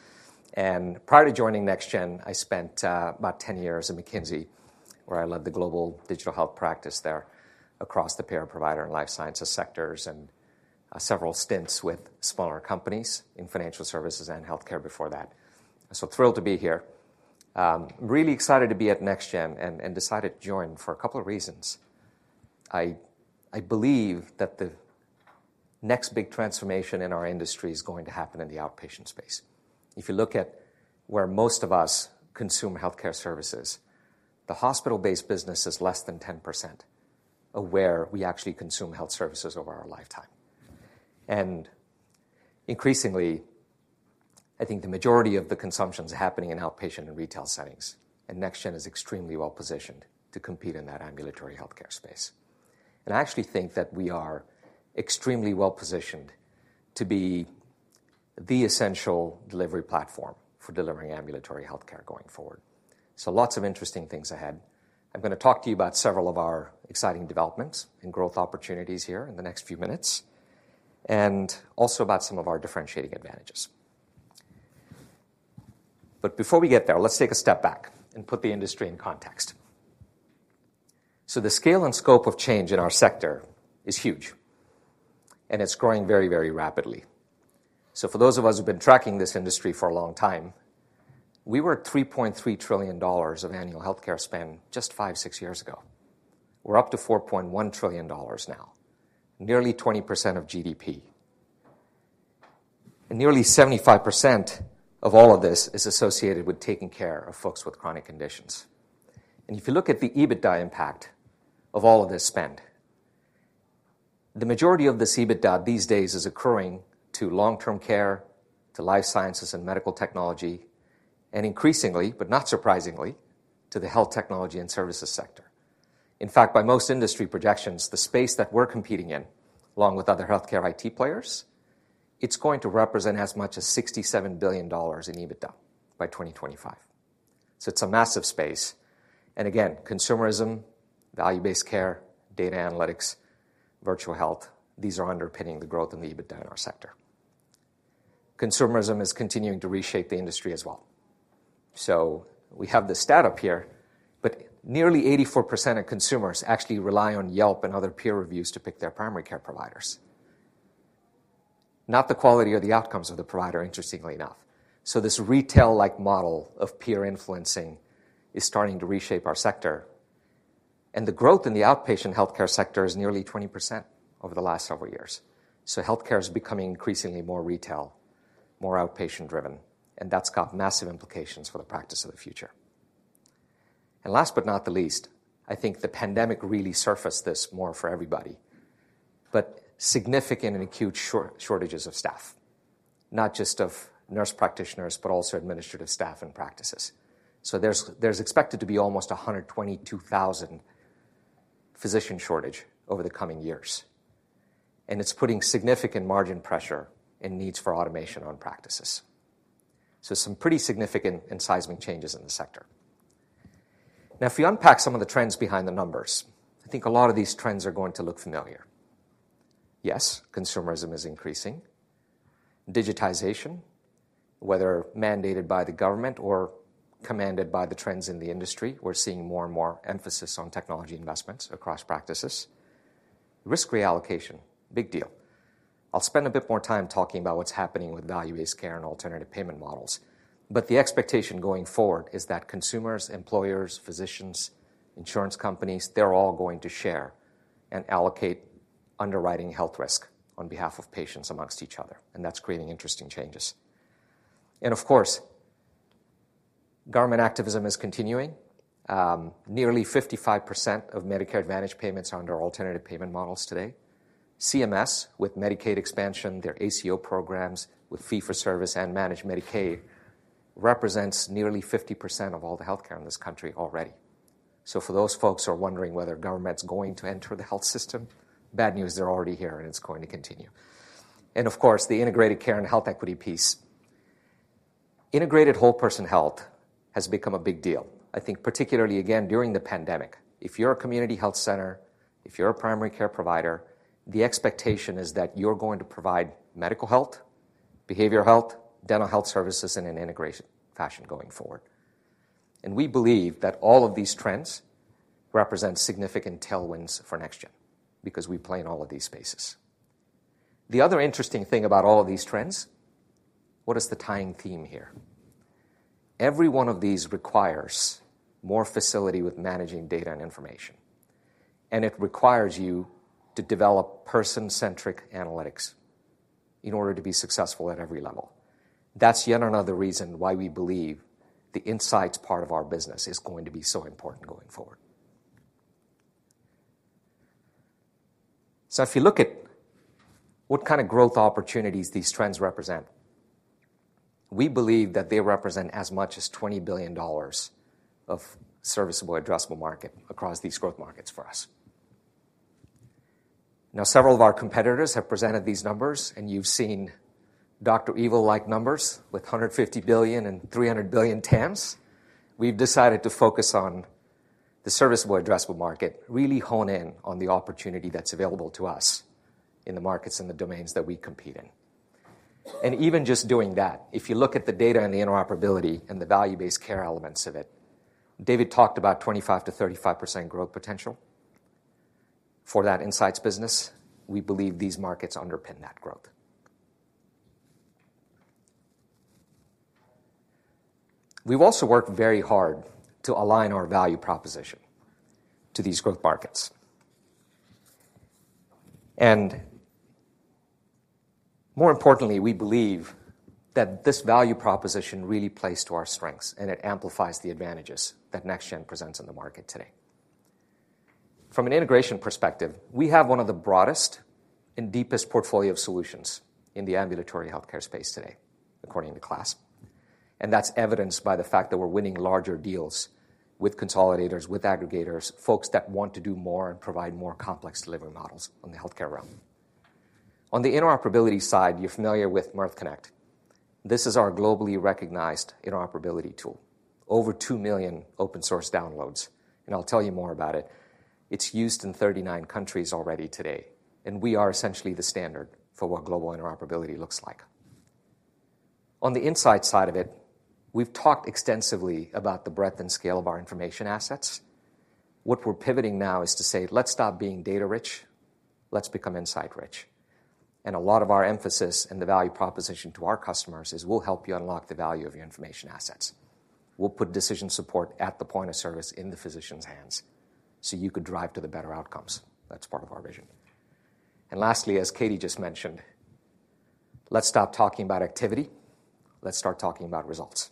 Prior to joining NextGen, I spent about 10 years at McKinsey, where I led the global digital health practice there across the payer, provider, and life sciences sectors, and several stints with smaller companies in financial services and healthcare before that. Thrilled to be here. Really excited to be at NextGen and decided to join for a couple of reasons. I believe that the next big transformation in our industry is going to happen in the outpatient space. If you look at where most of us consume healthcare services, the hospital-based business is less than 10% of where we actually consume health services over our lifetime. Increasingly, I think the majority of the consumption is happening in outpatient and retail settings, and NextGen is extremely well-positioned to compete in that ambulatory healthcare space. I actually think that we are extremely well-positioned to be the essential delivery platform for delivering ambulatory healthcare going forward. Lots of interesting things ahead. I'm gonna talk to you about several of our exciting developments and growth opportunities here in the next few minutes, and also about some of our differentiating advantages. Before we get there, let's take a step back and put the industry in context. The scale and scope of change in our sector is huge, and it's growing very, very rapidly. For those of us who've been tracking this industry for a long time, we were at $3.3 trillion of annual healthcare spend just five, six years ago. We're up to $4.1 trillion now, nearly 20% of GDP. Nearly 75% of all of this is associated with taking care of folks with chronic conditions. If you look at the EBITDA impact of all of this spend, the majority of this EBITDA these days is accruing to long-term care, to life sciences and medical technology, and increasingly, but not surprisingly, to the health technology and services sector. In fact, by most industry projections, the space that we're competing in, along with other healthcare IT players, it's going to represent as much as $67 billion in EBITDA by 2025. It's a massive space. Consumerism, value-based care, data analytics, virtual health, these are underpinning the growth in the EBITDA in our sector. Consumerism is continuing to reshape the industry as well. We have this stat up here, but nearly 84% of consumers actually rely on Yelp and other peer reviews to pick their primary care providers. Not the quality or the outcomes of the provider, interestingly enough. This retail-like model of peer influencing is starting to reshape our sector. The growth in the outpatient healthcare sector is nearly 20% over the last several years. Healthcare is becoming increasingly more retail, more outpatient-driven, and that's got massive implications for the practice of the future. Last but not the least, I think the pandemic really surfaced this more for everybody, but significant and acute shortages of staff, not just of nurse practitioners, but also administrative staff and practices. There's expected to be almost 122,000 physician shortage over the coming years, and it's putting significant margin pressure and needs for automation on practices. Some pretty significant and seismic changes in the sector. Now, if you unpack some of the trends behind the numbers, I think a lot of these trends are going to look familiar. Yes, consumerism is increasing. Digitization, whether mandated by the government or commanded by the trends in the industry, we're seeing more and more emphasis on technology investments across practices. Risk reallocation, big deal. I'll spend a bit more time talking about what's happening with value-based care and alternative payment models. The expectation going forward is that consumers, employers, physicians, insurance companies, they're all going to share and allocate underwriting health risk on behalf of patients among each other, and that's creating interesting changes. Of course, government activism is continuing. Nearly 55% of Medicare Advantage payments are under alternative payment models today. CMS, with Medicaid expansion, their ACO programs with fee-for-service and managed Medicaid, represents nearly 50% of all the healthcare in this country already. For those folks who are wondering whether government's going to enter the health system, bad news, they're already here, and it's going to continue. Of course, the integrated care and health equity piece. Integrated whole person health has become a big deal, I think particularly again, during the pandemic. If you're a community health center, if you're a primary care provider, the expectation is that you're going to provide medical health, behavioral health, dental health services in an integration fashion going forward. We believe that all of these trends represent significant tailwinds for NextGen because we play in all of these spaces. The other interesting thing about all of these trends, what is the tying theme here? Every one of these requires more facility with managing data and information, and it requires you to develop person-centric analytics in order to be successful at every level. That's yet another reason why we believe the Insights part of our business is going to be so important going forward. If you look at what kind of growth opportunities these trends represent, we believe that they represent as much as $20 billion of serviceable addressable market across these growth markets for us. Now, several of our competitors have presented these numbers, and you've seen Dr. Evil-like numbers with $150 billion and $300 billion TAMs. We've decided to focus on the serviceable addressable market, really hone in on the opportunity that's available to us in the markets and the domains that we compete in. Even just doing that, if you look at the data and the interoperability and the value-based care elements of it, David talked about 25%-35% growth potential for that Insights business. We believe these markets underpin that growth. We've also worked very hard to align our value proposition to these growth markets. More importantly, we believe that this value proposition really plays to our strengths, and it amplifies the advantages that NextGen presents in the market today. From an integration perspective, we have one of the broadest and deepest portfolio of solutions in the ambulatory healthcare space today, according to KLAS. That's evidenced by the fact that we're winning larger deals with consolidators, with aggregators, folks that want to do more and provide more complex delivery models in the healthcare realm. On the interoperability side, you're familiar with Mirth Connect. This is our globally recognized interoperability tool. Over 2 million open source downloads, and I'll tell you more about it. It's used in 39 countries already today, and we are essentially the standard for what global interoperability looks like. On the insight side of it, we've talked extensively about the breadth and scale of our information assets. What we're pivoting now is to say, "Let's stop being data rich. Let's become insight rich." A lot of our emphasis and the value proposition to our customers is we'll help you unlock the value of your information assets. We'll put decision support at the point of service in the physician's hands, so you could drive to the better outcomes. That's part of our vision. Lastly, as Katie just mentioned, let's stop talking about activity. Let's start talking about results.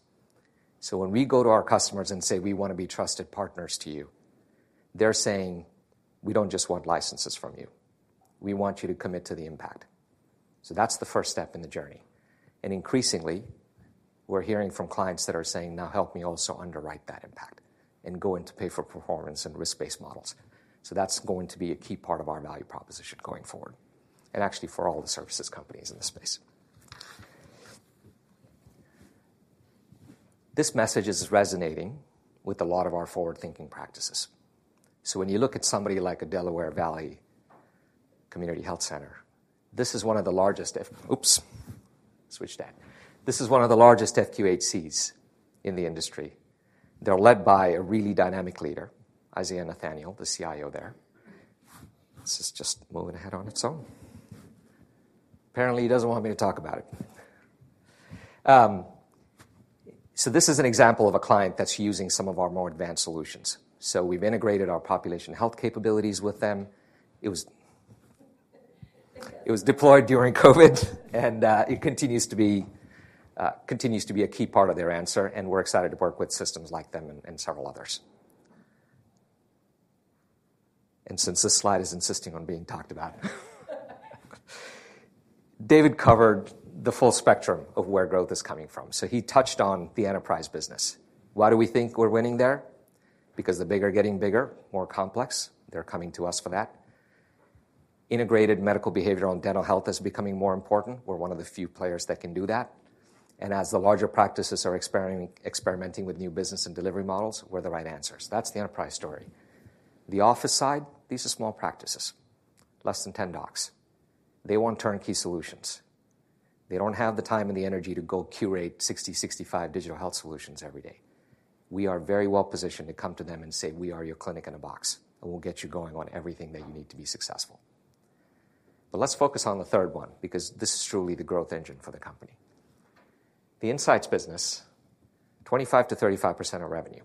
When we go to our customers and say we wanna be trusted partners to you, they're saying, "We don't just want licenses from you. We want you to commit to the impact." That's the first step in the journey. Increasingly, we're hearing from clients that are saying, "Now help me also underwrite that impact and go into pay for performance and risk-based models." That's going to be a key part of our value proposition going forward and actually for all the services companies in this space. This message is resonating with a lot of our forward-thinking practices. When you look at somebody like Delaware Valley Community Health, this is one of the largest FQHCs in the industry. They're led by a really dynamic leader, Isaiah Nathaniel, the CIO there. This is just moving ahead on its own. Apparently, he doesn't want me to talk about it. This is an example of a client that's using some of our more advanced solutions. We've integrated our population health capabilities with them. It was deployed during COVID, and it continues to be a key part of their answer, and we're excited to work with systems like them and several others. Since this slide is insisting on being talked about, David covered the full spectrum of where growth is coming from. He touched on the Enterprise business. Why do we think we're winning there? Because the big are getting bigger, more complex. They're coming to us for that. Integrated medical, behavioral, and dental health is becoming more important. We're one of the few players that can do that. As the larger practices are experimenting with new business and delivery models, we're the right answers. That's the Enterprise story. The Office side, these are small practices, less than 10 docs. They want turnkey solutions. They don't have the time and the energy to go curate 60, 65 digital health solutions every day. We are very well-positioned to come to them and say, "We are your clinic in a box, and we'll get you going on everything that you need to be successful." Let's focus on the third one, because this is truly the growth engine for the company. The Insights business, 25%-35% of revenue.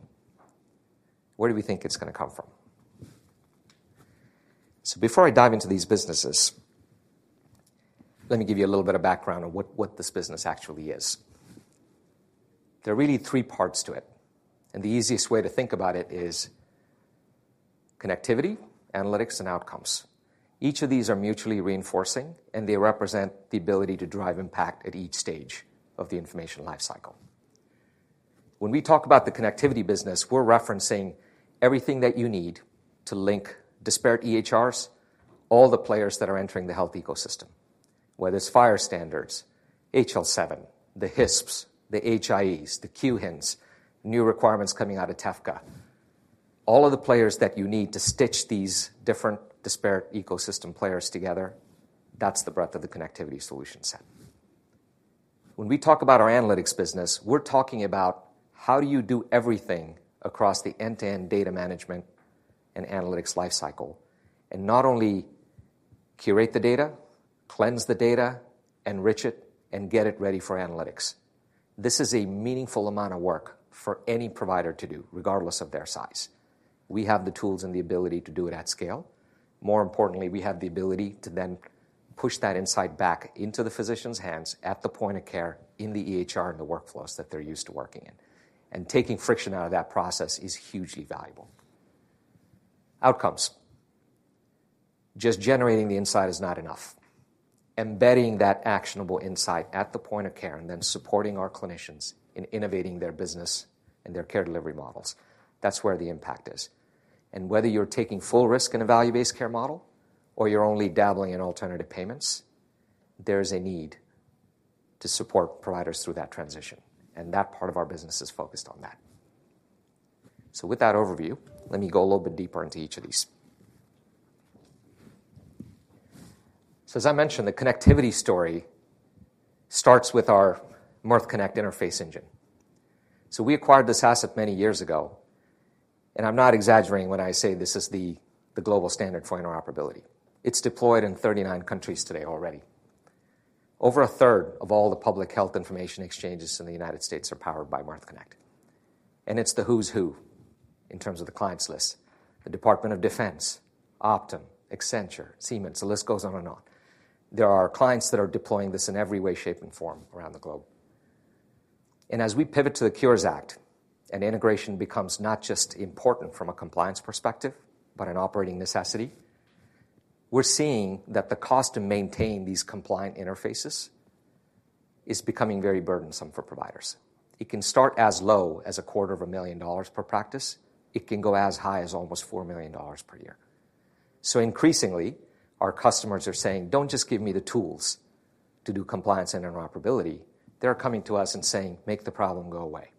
Where do we think it's gonna come from? Before I dive into these businesses, let me give you a little bit of background on what this business actually is. There are really three parts to it, and the easiest way to think about it is connectivity, analytics, and outcomes. Each of these are mutually reinforcing, and they represent the ability to drive impact at each stage of the information life cycle. When we talk about the connectivity business, we're referencing everything that you need to link disparate EHRs, all the players that are entering the health ecosystem, whether it's FHIR standards, HL7, the HISPs, the HIEs, the QHINs, new requirements coming out of TEFCA. All of the players that you need to stitch these different disparate ecosystem players together, that's the breadth of the connectivity solution set. When we talk about our analytics business, we're talking about how do you do everything across the end-to-end data management and analytics life cycle, and not only curate the data, cleanse the data, enrich it, and get it ready for analytics. This is a meaningful amount of work for any provider to do, regardless of their size. We have the tools and the ability to do it at scale. More importantly, we have the ability to then push that insight back into the physician's hands at the point of care in the EHR and the workflows that they're used to working in. Taking friction out of that process is hugely valuable. Outcomes. Just generating the insight is not enough. Embedding that actionable insight at the point of care and then supporting our clinicians in innovating their business and their care delivery models, that's where the impact is. Whether you're taking full risk in a Value-Based Care model or you're only dabbling in alternative payments, there is a need to support providers through that transition, and that part of our business is focused on that. With that overview, let me go a little bit deeper into each of these. As I mentioned, the connectivity story starts with our Mirth Connect Interface Engine. We acquired this asset many years ago, and I'm not exaggerating when I say this is the global standard for interoperability. It's deployed in 39 countries today already. Over a third of all the public health information exchanges in the United States are powered by Mirth Connect. It's the who's who in terms of the clients list. The Department of Defense, Optum, Accenture, Siemens, the list goes on and on. There are clients that are deploying this in every way, shape, and form around the globe. As we pivot to the Cures Act and integration becomes not just important from a compliance perspective, but an operating necessity, we're seeing that the cost to maintain these compliant interfaces is becoming very burdensome for providers. It can start as low as a $25,000 per practice. It can go as high as almost $4 million per year. Increasingly, our customers are saying, "Don't just give me the tools to do compliance and interoperability." They're coming to us and saying, "Make the problem go away.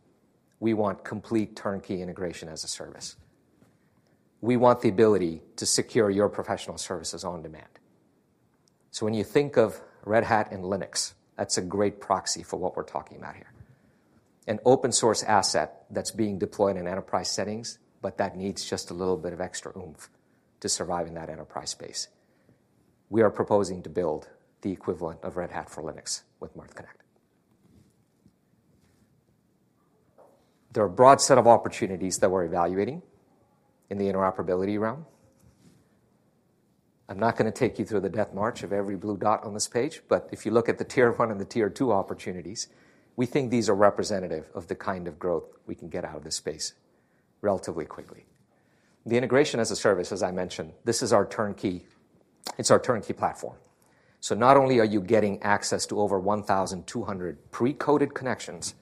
We want complete turnkey integration as a service. We want the ability to secure your professional services on demand." When you think of Red Hat and Linux, that's a great proxy for what we're talking about here. An open source asset that's being deployed in Enterprise settings, but that needs just a little bit of extra oomph to survive in that Enterprise space. We are proposing to build the equivalent of Red Hat for Linux with Mirth Connect. There are a broad set of opportunities that we're evaluating in the interoperability realm. I'm not gonna take you through the death march of every blue dot on this page, but if you look at the tier one and the tier two opportunities, we think these are representative of the kind of growth we can get out of this space relatively quickly. The integration as a service, as I mentioned, this is our turnkey. It's our turnkey platform. So not only are you getting access to over 1,200 pre-coded connections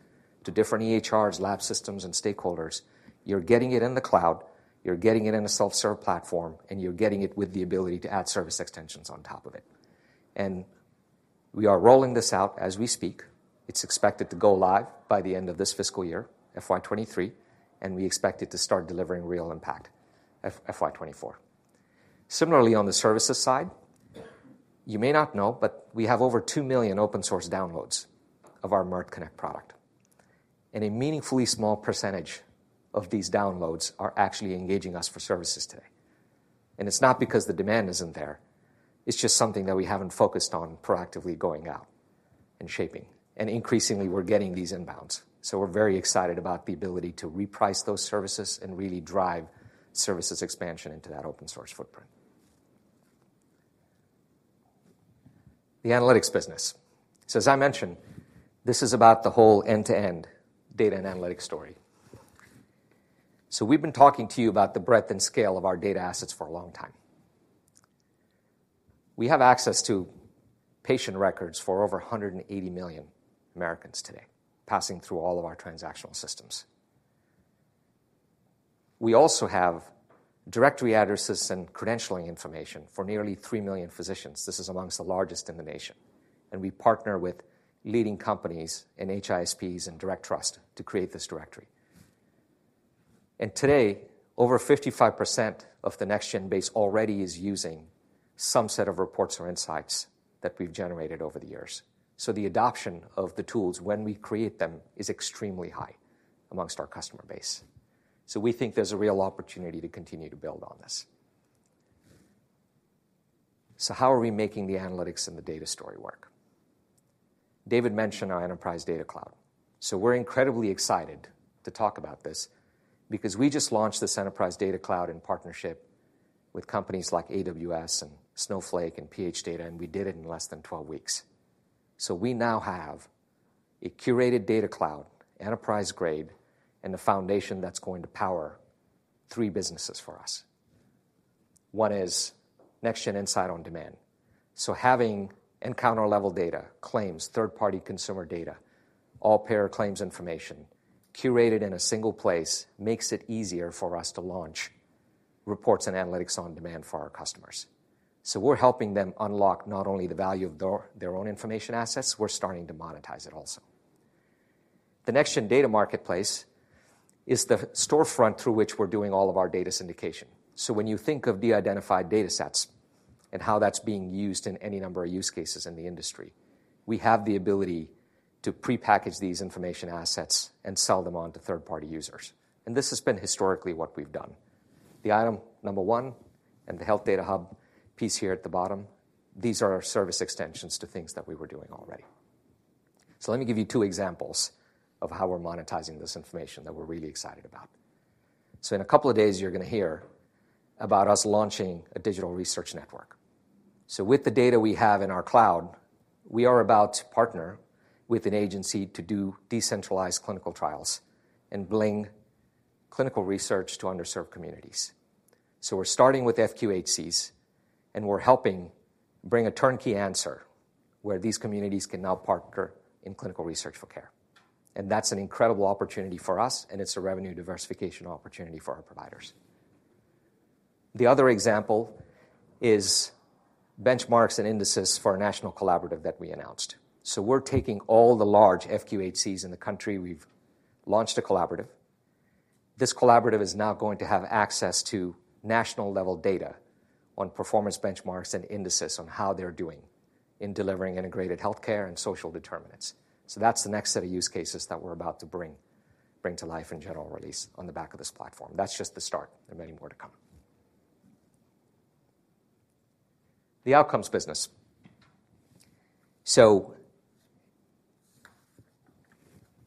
to different EHRs, lab systems, and stakeholders, you're getting it in the cloud, you're getting it in a self-serve platform, and you're getting it with the ability to add service extensions on top of it. We are rolling this out as we speak. It's expected to go live by the end of this fiscal year, FY 2023, and we expect it to start delivering real impact FY 2024. Similarly, on the services side, you may not know, but we have over 2 million open source downloads of our Mirth Connect product, and a meaningfully small percentage of these downloads are actually engaging us for services today. It's not because the demand isn't there. It's just something that we haven't focused on proactively going out and shaping. Increasingly, we're getting these inbounds. We're very excited about the ability to reprice those services and really drive services expansion into that open source footprint. The analytics business. As I mentioned, this is about the whole end-to-end data and analytics story. We've been talking to you about the breadth and scale of our data assets for a long time. We have access to patient records for over 180 million Americans today, passing through all of our transactional systems. We also have directory addresses and credentialing information for nearly 3 million physicians. This is among the largest in the nation, and we partner with leading companies in HISPs and DirectTrust to create this directory. Today, over 55% of the NextGen base already is using some set of reports or Insights that we've generated over the years. The adoption of the tools when we create them is extremely high among our customer base. We think there's a real opportunity to continue to build on this. How are we making the analytics and the data story work? David mentioned our Enterprise data cloud. We're incredibly excited to talk about this because we just launched this Enterprise data cloud in partnership with companies like AWS and Snowflake and phData, and we did it in less than 12 weeks. We now have a curated data cloud, Enterprise-grade, and the foundation that's going to power three businesses for us. One is NextGen Insight on Demand. Having encounter-level data, claims, third-party consumer data, all payer claims information curated in a single place makes it easier for us to launch reports and analytics on demand for our customers. We're helping them unlock not only the value of their own information assets, we're starting to monetize it also. The NextGen Data Marketplace is the storefront through which we're doing all of our data syndication. When you think of de-identified datasets and how that's being used in any number of use cases in the industry, we have the ability to prepackage these information assets and sell them on to third-party users. This has been historically what we've done. The item number one and the Health Data Hub piece here at the bottom, these are our service extensions to things that we were doing already. Let me give you two examples of how we're monetizing this information that we're really excited about. In a couple of days, you're gonna hear about us launching a digital research network. With the data we have in our cloud, we are about to partner with an agency to do decentralized clinical trials and bring clinical research to underserved communities. We're starting with FQHCs, and we're helping bring a turnkey answer where these communities can now partner in clinical research for care. That's an incredible opportunity for us, and it's a revenue diversification opportunity for our providers. The other example is benchmarks and indices for a national collaborative that we announced. We're taking all the large FQHCs in the country. We've launched a collaborative. This collaborative is now going to have access to national-level data on performance benchmarks and indices on how they're doing in delivering integrated healthcare and social determinants. That's the next set of use cases that we're about to bring to life in general release on the back of this platform. That's just the start. There are many more to come. The Outcomes business.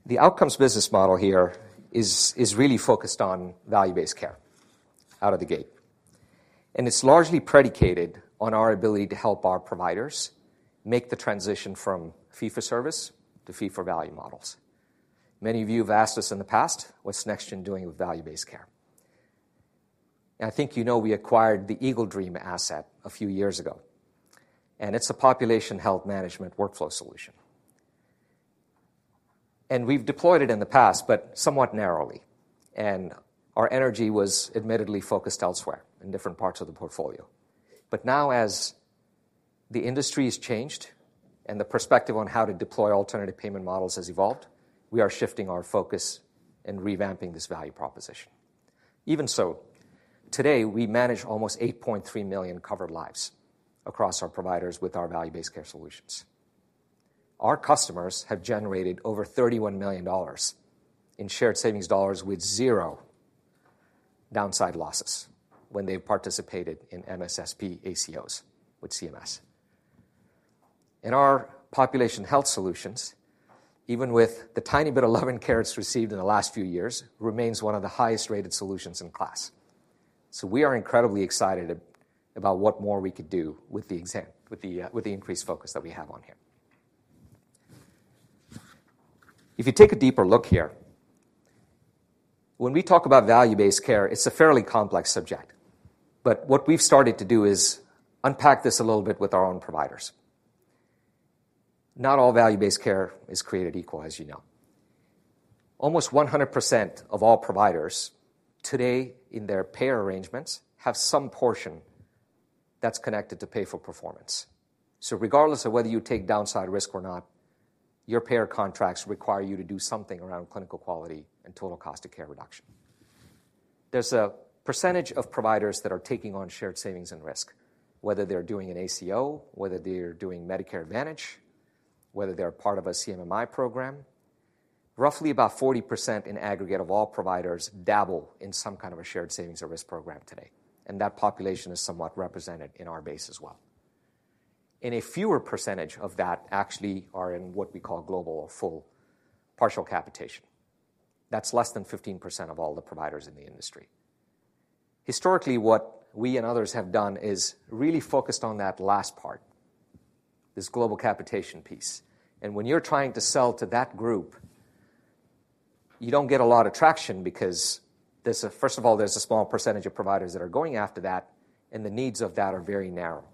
The Outcomes business model here is really focused on value-based care out of the gate, and it's largely predicated on our ability to help our providers make the transition from fee-for-service to fee-for-value models. Many of you have asked us in the past, what's NextGen doing with value-based care? I think we acquired the EagleDream asset a few years ago, and it's a population health management workflow solution. We've deployed it in the past, but somewhat narrowly, and our energy was admittedly focused elsewhere in different parts of the portfolio. Now as the industry has changed and the perspective on how to deploy alternative payment models has evolved, we are shifting our focus and revamping this value proposition. Even so, today, we manage almost $8.3 million covered lives across our providers with our value-based care solutions. Our customers have generated over $31 million in shared savings with zero downside losses when they participated in MSSP ACOs with CMS. Our population health solutions, even with the tiny bit of love and care it's received in the last few years, remains one of the highest-rated solutions in class. We are incredibly excited about what more we could do with the increased focus that we have on here. If you take a deeper look here, when we talk about Value-Based Care, it's a fairly complex subject. What we've started to do is unpack this a little bit with our own providers. Not all Value-Based Care is created equal, as you know. Almost 100% of all providers today in their payer arrangements have some portion that's connected to pay for performance. Regardless of whether you take downside risk or not, your payer contracts require you to do something around clinical quality and total cost of care reduction. There's a percentage of providers that are taking on shared savings and risk, whether they're doing an ACO, whether they're doing Medicare Advantage, whether they're part of a CMMI program. Roughly about 40% in aggregate of all providers dabble in some kind of a shared savings or risk program today, and that population is somewhat represented in our base as well. A fewer percentage of that actually are in what we call global or full partial capitation. That's less than 15% of all the providers in the industry. Historically, what we and others have done is really focused on that last part. This global capitation piece. When you're trying to sell to that group, you don't get a lot of traction because there's a first of all, there's a small percentage of providers that are going after that, and the needs of that are very narrow.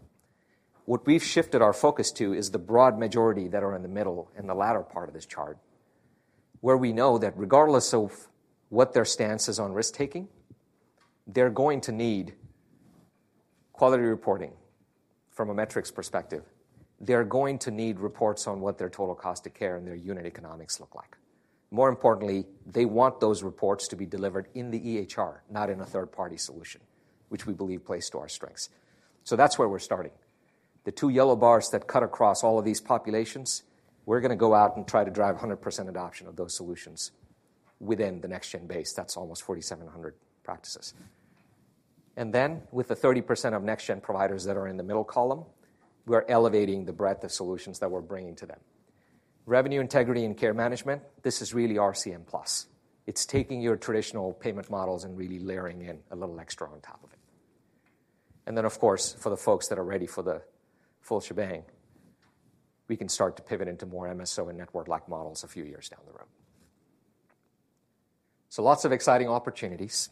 What we've shifted our focus to is the broad majority that are in the middle, in the latter part of this chart, where we know that regardless of what their stance is on risk-taking, they're going to need quality reporting from a metrics perspective. They're going to need reports on what their total cost of care and their unit economics look like. More importantly, they want those reports to be delivered in the EHR, not in a third-party solution, which we believe plays to our strengths. That's where we're starting. The two yellow bars that cut across all of these populations, we're gonna go out and try to drive 100% adoption of those solutions within the NextGen base. That's almost 4,700 practices. Then with the 30% of NextGen providers that are in the middle column, we're elevating the breadth of solutions that we're bringing to them. Revenue integrity and care management, this is really RCM plus. It's taking your traditional payment models and really layering in a little extra on top of it. Of course, for the folks that are ready for the full shebang, we can start to pivot into more MSO and network-like models a few years down the road. Lots of exciting opportunities.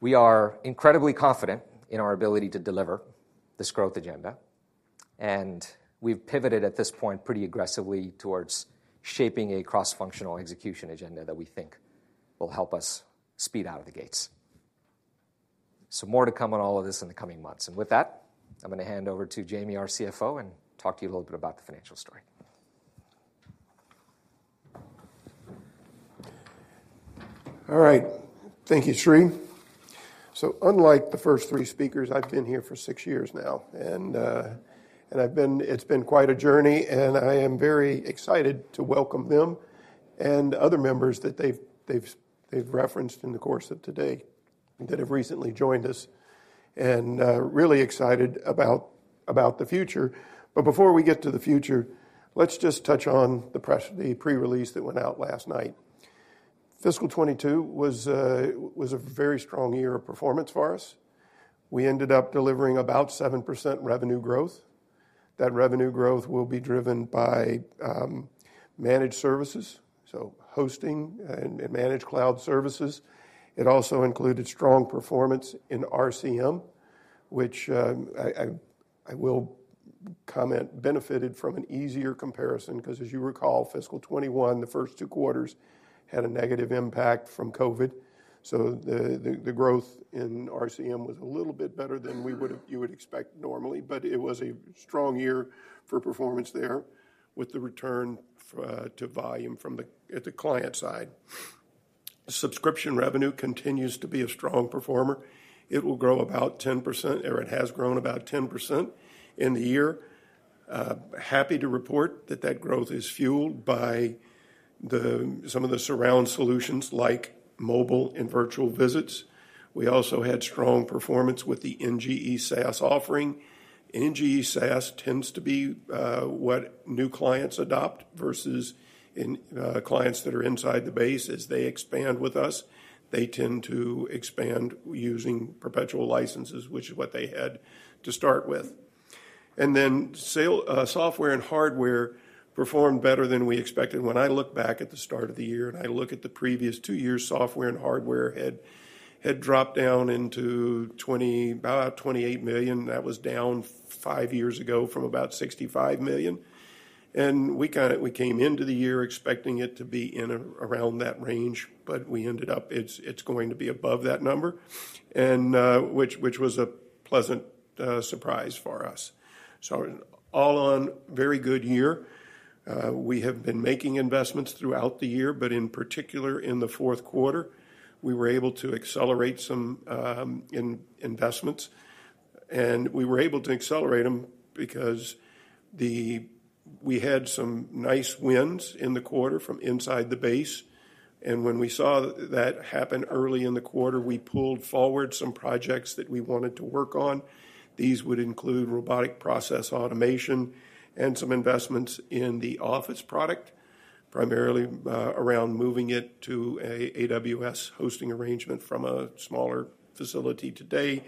We are incredibly confident in our ability to deliver this growth agenda, and we've pivoted at this point pretty aggressively towards shaping a cross-functional execution agenda that we think will help us speed out of the gates. More to come on all of this in the coming months. With that, I'm gonna hand over to Jamie, our CFO, and talk to you a little bit about the financial story. All right. Thank you, Sri. Unlike the first three speakers, I've been here for six years now, and it's been quite a journey, and I am very excited to welcome them and other members that they've referenced in the course of today that have recently joined us, and really excited about the future. Before we get to the future, let's just touch on the pre-release that went out last night. Fiscal 2022 was a very strong year of performance for us. We ended up delivering about 7% revenue growth. That revenue growth will be driven by managed services, so hosting and managed cloud services. It also included strong performance in RCM, which I will comment benefited from an easier comparison because as you recall, fiscal 2021, the first two quarters had a negative impact from COVID. The growth in RCM was a little bit better than you would expect normally, but it was a strong year for performance there with the return to volume from the client side. Subscription revenue continues to be a strong performer. It will grow about 10%, or it has grown about 10% in the year. Happy to report that that growth is fueled by some of the surrounding solutions like mobile and virtual visits. We also had strong performance with the NGE SaaS offering. NGE SaaS tends to be what new clients adopt versus clients that are inside the base. As they expand with us, they tend to expand using perpetual licenses, which is what they had to start with. Software and hardware performed better than we expected. When I look back at the start of the year and I look at the previous two years, software and hardware had dropped down into about $28 million. That was down five years ago from about $65 million. We came into the year expecting it to be in around that range, but we ended up it's going to be above that number and which was a pleasant surprise for us. All in all, a very good year. We have been making investments throughout the year, but in particular in the fourth quarter, we were able to accelerate some investments, and we were able to accelerate them because we had some nice wins in the quarter from inside the base. When we saw that happen early in the quarter, we pulled forward some projects that we wanted to work on. These would include robotic process automation and some investments in the Office product, primarily around moving it to an AWS hosting arrangement from a smaller facility today,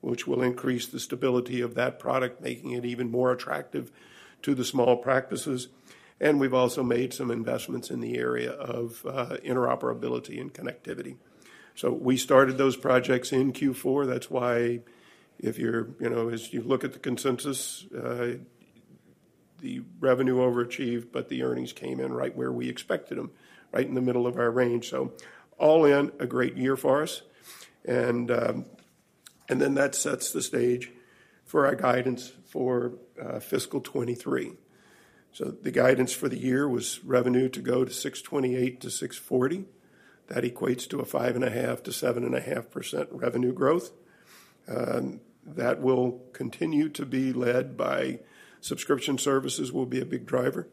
which will increase the stability of that product, making it even more attractive to the small practices. We've also made some investments in the area of interoperability and connectivity. We started those projects in Q4. That's why if you're as you look at the consensus, the revenue overachieved, but the earnings came in right where we expected them, right in the middle of our range. All in all, a great year for us. That sets the stage for our guidance for fiscal 2023. The guidance for the year was revenue to go to $628 million-$640 million. That equates to a 5.5%-7.5% revenue growth. That will continue to be led by subscription services will be a big driver.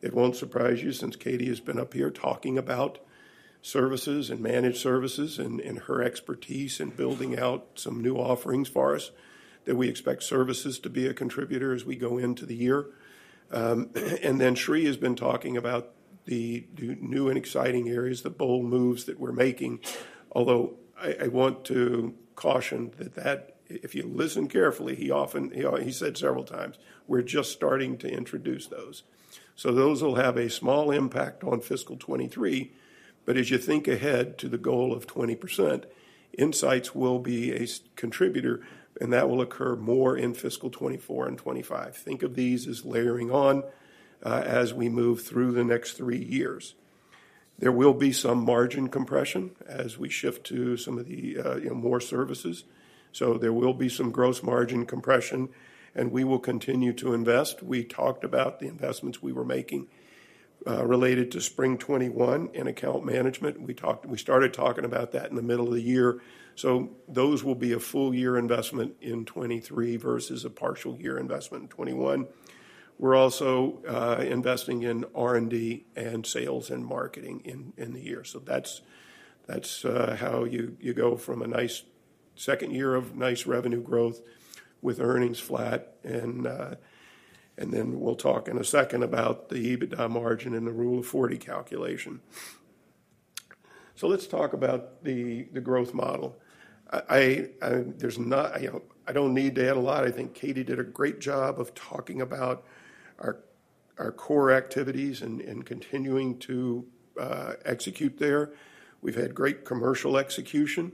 It won't surprise you since Katie has been up here talking about services and managed services, and her expertise in building out some new offerings for us, that we expect services to be a contributor as we go into the year. Sri has been talking about the new and exciting areas, the bold moves that we're making. Although I want to caution that if you listen carefully, he often he said several times, "We're just starting to introduce those." Those will have a small impact on fiscal 2023, but as you think ahead to the goal of 20%, Insights will be a contributor, and that will occur more in fiscal 2024 and 2025. Think of these as layering on as we move through the next three years. There will be some margin compression as we shift to some of the more services. There will be some gross margin compression, and we will continue to invest. We talked about the investments we were making related to Spring '21 in account management. We started talking about that in the middle of the year. Those will be a full year investment in 2023 versus a partial year investment in 2021. We're also investing in R&D and sales and marketing in the year. That's how you go from a nice second year of nice revenue growth with earnings flat and then we'll talk in a second about the EBITDA margin and the Rule of 40 calculation. Let's talk about the growth model. I don't need to add a lot. I think Katie did a great job of talking about our core activities and continuing to execute there. We've had great commercial execution,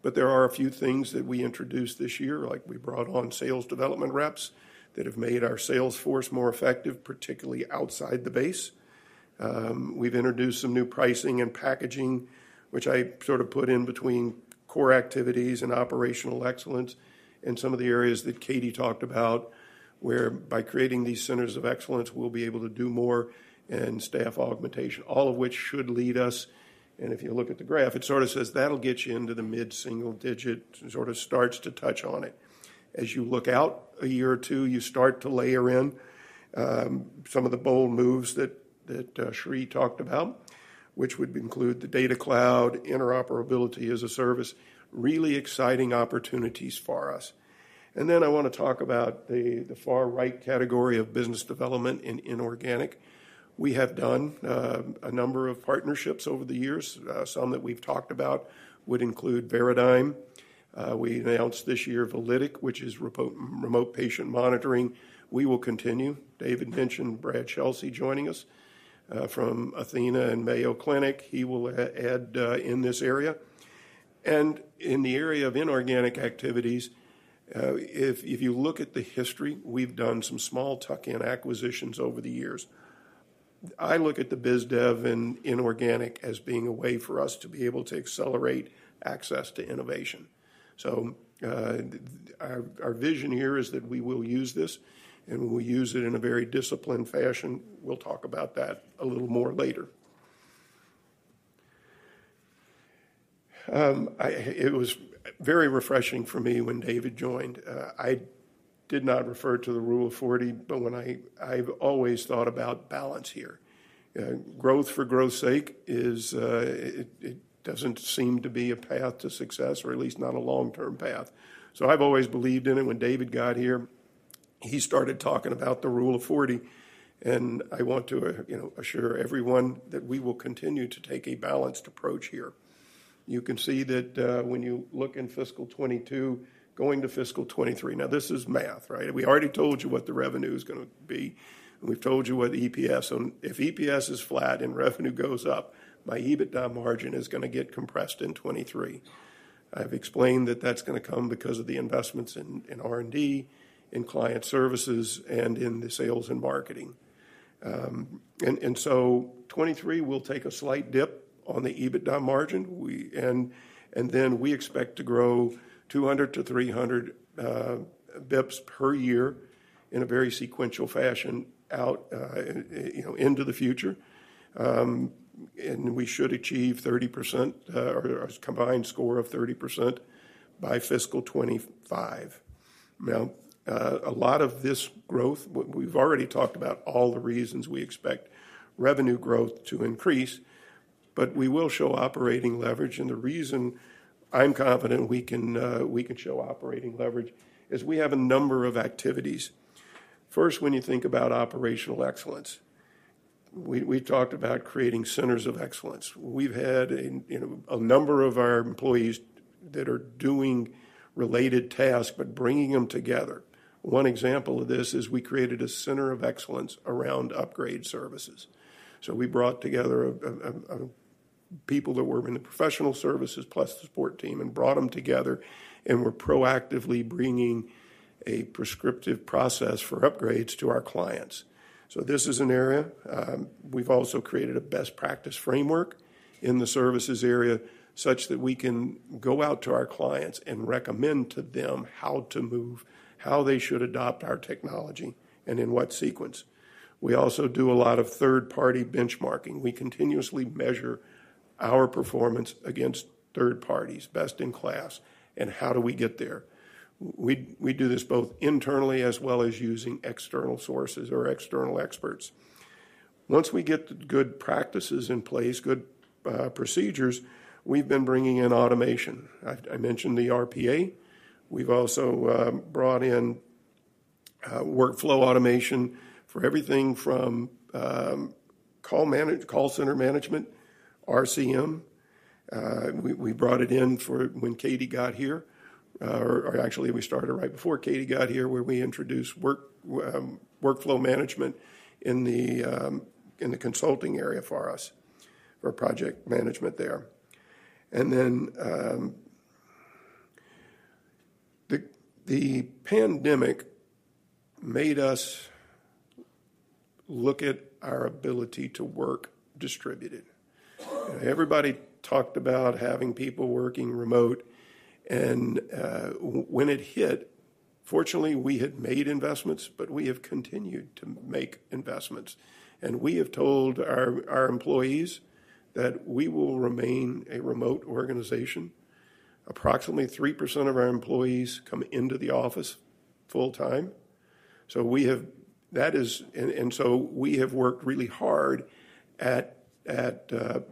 but there are a few things that we introduced this year, like we brought on sales development reps that have made our sales force more effective, particularly outside the base. We've introduced some new pricing and packaging, which I sort of put in between core activities and operational excellence in some of the areas that Katie talked about, where by creating these centers of excellence, we'll be able to do more and staff augmentation, all of which should lead us. If you look at the graph, it sort of says that'll get you into the mid-single digit, sort of starts to touch on it. As you look out a year or two, you start to layer in some of the bold moves that Sri talked about, which would include the data cloud, interoperability as a service, really exciting opportunities for us. Then I wanna talk about the far right category of business development in inorganic. We have done a number of partnerships over the years. Some that we've talked about would include Veradigm. We announced this year Vilytic, which is remote patient monitoring. We will continue. David mentioned Brad Chelsy joining us from athenahealth and Mayo Clinic. He will add in this area. In the area of inorganic activities, if you look at the history, we've done some small tuck-in acquisitions over the years. I look at the biz dev in inorganic as being a way for us to be able to accelerate access to innovation. Our vision here is that we will use this, and we'll use it in a very disciplined fashion. We'll talk about that a little more later. It was very refreshing for me when David joined. I did not refer to the Rule of 40, but I've always thought about balance here. Growth for growth's sake is, it doesn't seem to be a path to success or at least not a long-term path. I've always believed in it. When David got here, he started talking about the Rule of 40, and I want to, assure everyone that we will continue to take a balanced approach here. You can see that, when you look in fiscal 2022 going to fiscal 2023. Now, this is math, right? We already told you what the revenue is gonna be. We've told you what EPS. If EPS is flat and revenue goes up, my EBITDA margin is gonna get compressed in 2023. I've explained that that's gonna come because of the investments in R&D, in client services, and in the sales and marketing. 2023 will take a slight dip on the EBITDA margin. Then we expect to grow 200-300 basis points per year in a very sequential fashion out into the future. And we should achieve 30% or a combined score of 30% by fiscal 2025. Now, a lot of this growth, we've already talked about all the reasons we expect revenue growth to increase, but we will show operating leverage, and the reason I'm confident we can show operating leverage is we have a number of activities. First, when you think about operational excellence, we talked about creating centers of excellence. We've had a number of our employees that are doing related tasks but bringing them together. One example of this is we created a center of excellence around upgrade services. So we brought together people that were in the professional services plus the support team and brought them together and were proactively bringing a prescriptive process for upgrades to our clients. So this is an area. We've also created a best practice framework in the services area such that we can go out to our clients and recommend to them how to move, how they should adopt our technology, and in what sequence. We also do a lot of third-party benchmarking. We continuously measure our performance against third parties, best in class, and how do we get there. We do this both internally as well as using external sources or external experts. Once we get good practices in place, good procedures, we've been bringing in automation. I mentioned the RPA. We've also brought in workflow automation for everything from call center management, RCM. We brought it in for when Katie got here. Actually, we started right before Katie got here, where we introduced workflow management in the consulting area for us, for project management there. The pandemic made us look at our ability to work distributed. Everybody talked about having people working remote and, when it hit, fortunately, we had made investments, but we have continued to make investments. We have told our employees that we will remain a remote organization. Approximately 3% of our employees come into the Office full-time. We have worked really hard at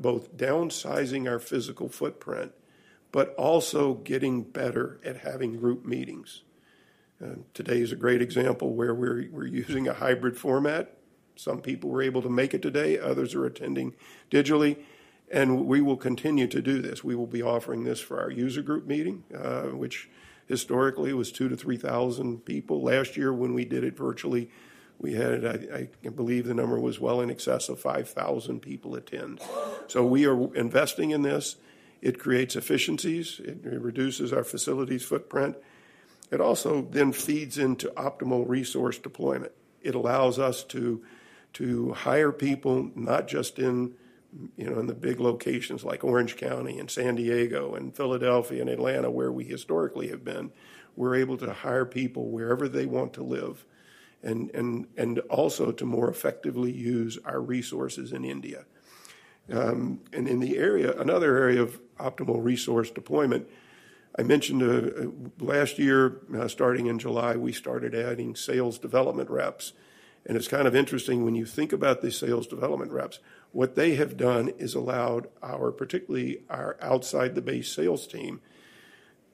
both downsizing our physical footprint, but also getting better at having group meetings. Today is a great example where we're using a hybrid format. Some people were able to make it today, others are attending digitally, and we will continue to do this. We will be offering this for our user group meeting, which historically was 2,000-3,000 people. Last year when we did it virtually, we had, I believe the number was well in excess of 5,000 people attend. We are investing in this. It creates efficiencies, it reduces our facilities footprint. It also then feeds into optimal resource deployment. It allows us to hire people not just in in the big locations like Orange County and San Diego and Philadelphia and Atlanta, where we historically have been. We're able to hire people wherever they want to live and also to more effectively use our resources in India. Another area of optimal resource deployment, I mentioned last year, starting in July, we started adding sales development reps. It's kind of interesting when you think about these sales development reps, what they have done is allowed our, particularly our outside the base sales team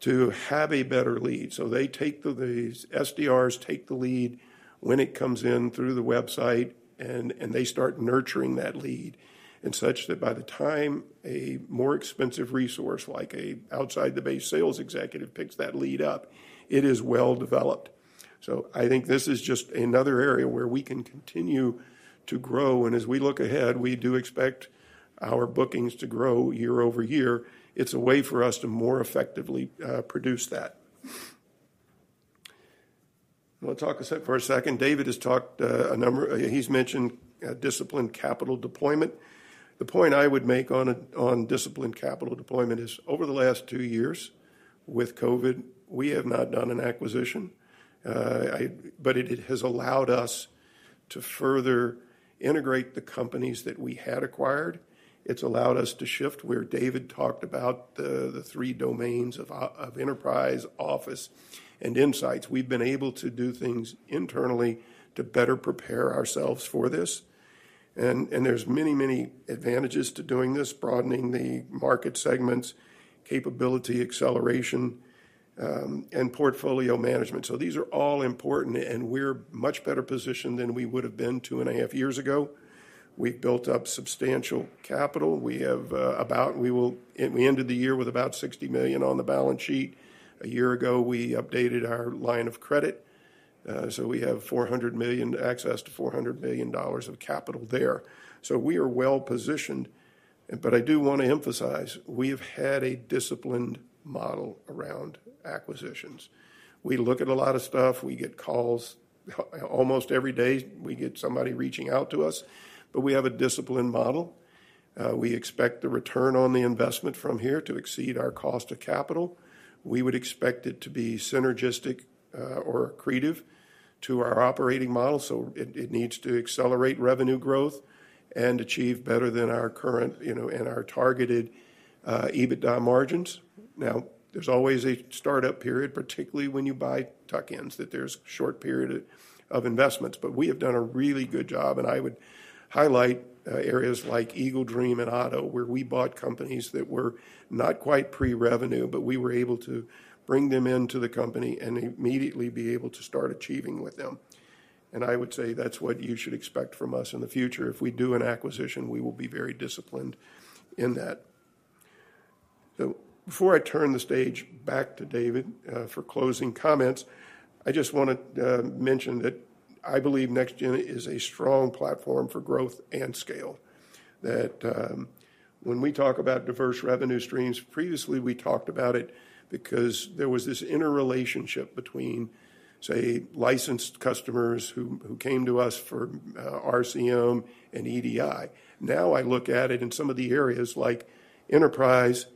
to have a better lead. These SDRs take the lead when it comes in through the website and they start nurturing that lead. Such that by the time a more expensive resource, like a outside the base sales executive picks that lead up, it is well developed. I think this is just another area where we can continue to grow. As we look ahead, we do expect our bookings to grow year-over-year. It's a way for us to more effectively produce that. I wanna talk for a second. David has talked a number. He's mentioned disciplined capital deployment. The point I would make on disciplined capital deployment is over the last two years with COVID, we have not done an acquisition. But it has allowed us to further integrate the companies that we had acquired. It's allowed us to shift where David talked about the three domains of Enterprise, Office, and Insights. We've been able to do things internally to better prepare ourselves for this. There's many advantages to doing this, broadening the market segments, capability acceleration, and portfolio management. These are all important, and we're much better positioned than we would have been two and a half years ago. We've built up substantial capital. We ended the year with about $60 million on the balance sheet. A year ago, we updated our line of credit, so we have access to $400 million of capital there. We are well-positioned. I do wanna emphasize, we have had a disciplined model around acquisitions. We look at a lot of stuff, we get calls. Almost every day, we get somebody reaching out to us, but we have a disciplined model. We expect the return on the investment from here to exceed our cost of capital. We would expect it to be synergistic or accretive to our operating model. It needs to accelerate revenue growth and achieve better than our current, and our targeted EBITDA margins. Now, there's always a startup period, particularly when you buy tuck-ins, that there's short period of investments. We have done a really good job, and I would highlight areas like EagleDream and Otto, where we bought companies that were not quite pre-revenue, but we were able to bring them into the company and immediately be able to start achieving with them. I would say that's what you should expect from us in the future. If we do an acquisition, we will be very disciplined in that. Before I turn the stage back to David for closing comments, I just wanna mention that I believe NextGen is a strong platform for growth and scale. That, when we talk about diverse revenue streams, previously, we talked about it because there was this interrelationship between, say, licensed customers who came to us for RCM and EDI. Now, I look at it in some of the areas like Enterprise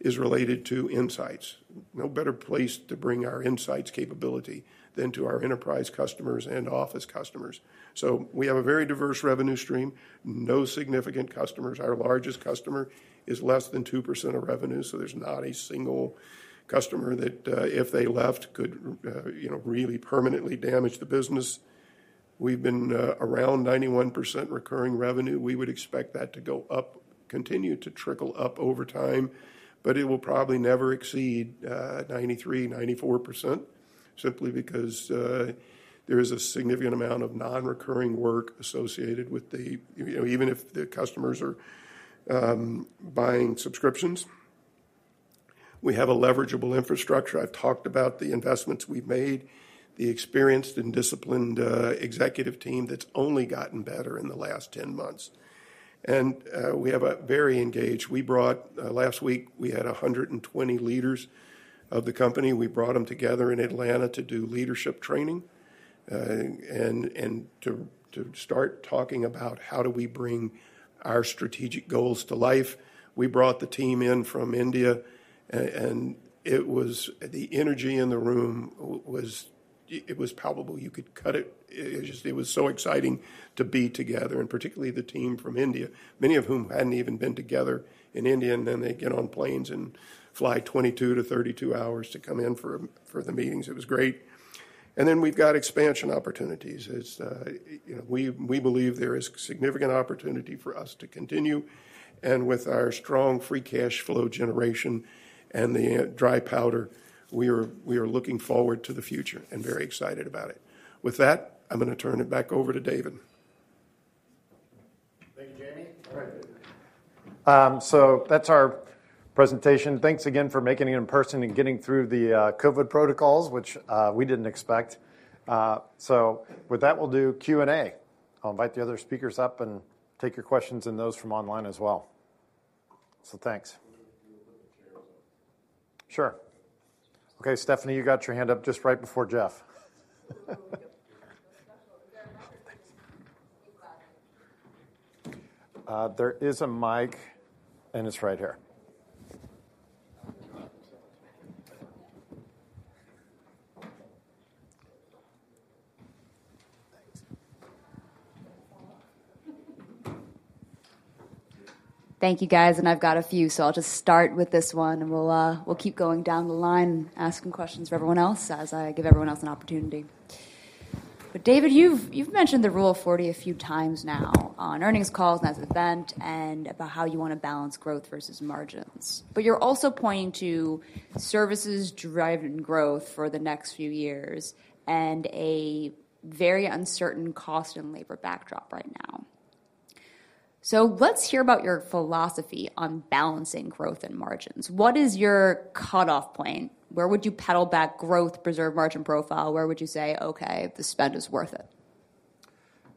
is related to Insights. No better place to bring our Insights capability than to our Enterprise customers and Office customers. We have a very diverse revenue stream, no significant customers. Our largest customer is less than 2% of revenue, so there's not a single customer that, if they left, could really permanently damage the business. We've been around 91% recurring revenue. We would expect that to go up, continue to trickle up over time, but it will probably never exceed 93%-94% simply because there is a significant amount of non-recurring work associated with the even if the customers are buying subscriptions. We have a leverageable infrastructure. I've talked about the investments we've made, the experienced and disciplined executive team that's only gotten better in the last 10 months. We have a very engaged. Last week, we had 120 leaders of the company. We brought them together in Atlanta to do leadership training, and to start talking about how do we bring our strategic goals to life. We brought the team in from India, and it was the energy in the room was it was palpable. You could cut it. It was so exciting to be together, and particularly the team from India, many of whom hadn't even been together in India, and then they get on planes and fly 22-32 hours to come in for the meetings. It was great. We've got expansion opportunities. It we believe there is significant opportunity for us to continue. With our strong free cash flow generation and the dry powder, we are looking forward to the future and very excited about it. With that, I'm gonna turn it back over to David. That's our presentation. Thanks again for making it in person and getting through the COVID protocols, which we didn't expect. With that, we'll do Q&A. I'll invite the other speakers up and take your questions and those from online as well. Thanks. Sure. Okay, Stephanie, you got your hand up just right before Jeff. There is a mic, and it's right here. Thank you, guys. I've got a few, so I'll just start with this one, and we'll keep going down the line asking questions for everyone else as I give everyone else an opportunity. David, you've mentioned the Rule of 40 a few times now on earnings calls and at an event and about how you wanna balance growth versus margins. You're also pointing to services-driven growth for the next few years and a very uncertain cost and labor backdrop right now. Let's hear about your philosophy on balancing growth and margins. What is your cutoff point? Where would you pull back growth, preserve margin profile? Where would you say, "Okay, the spend is worth it"?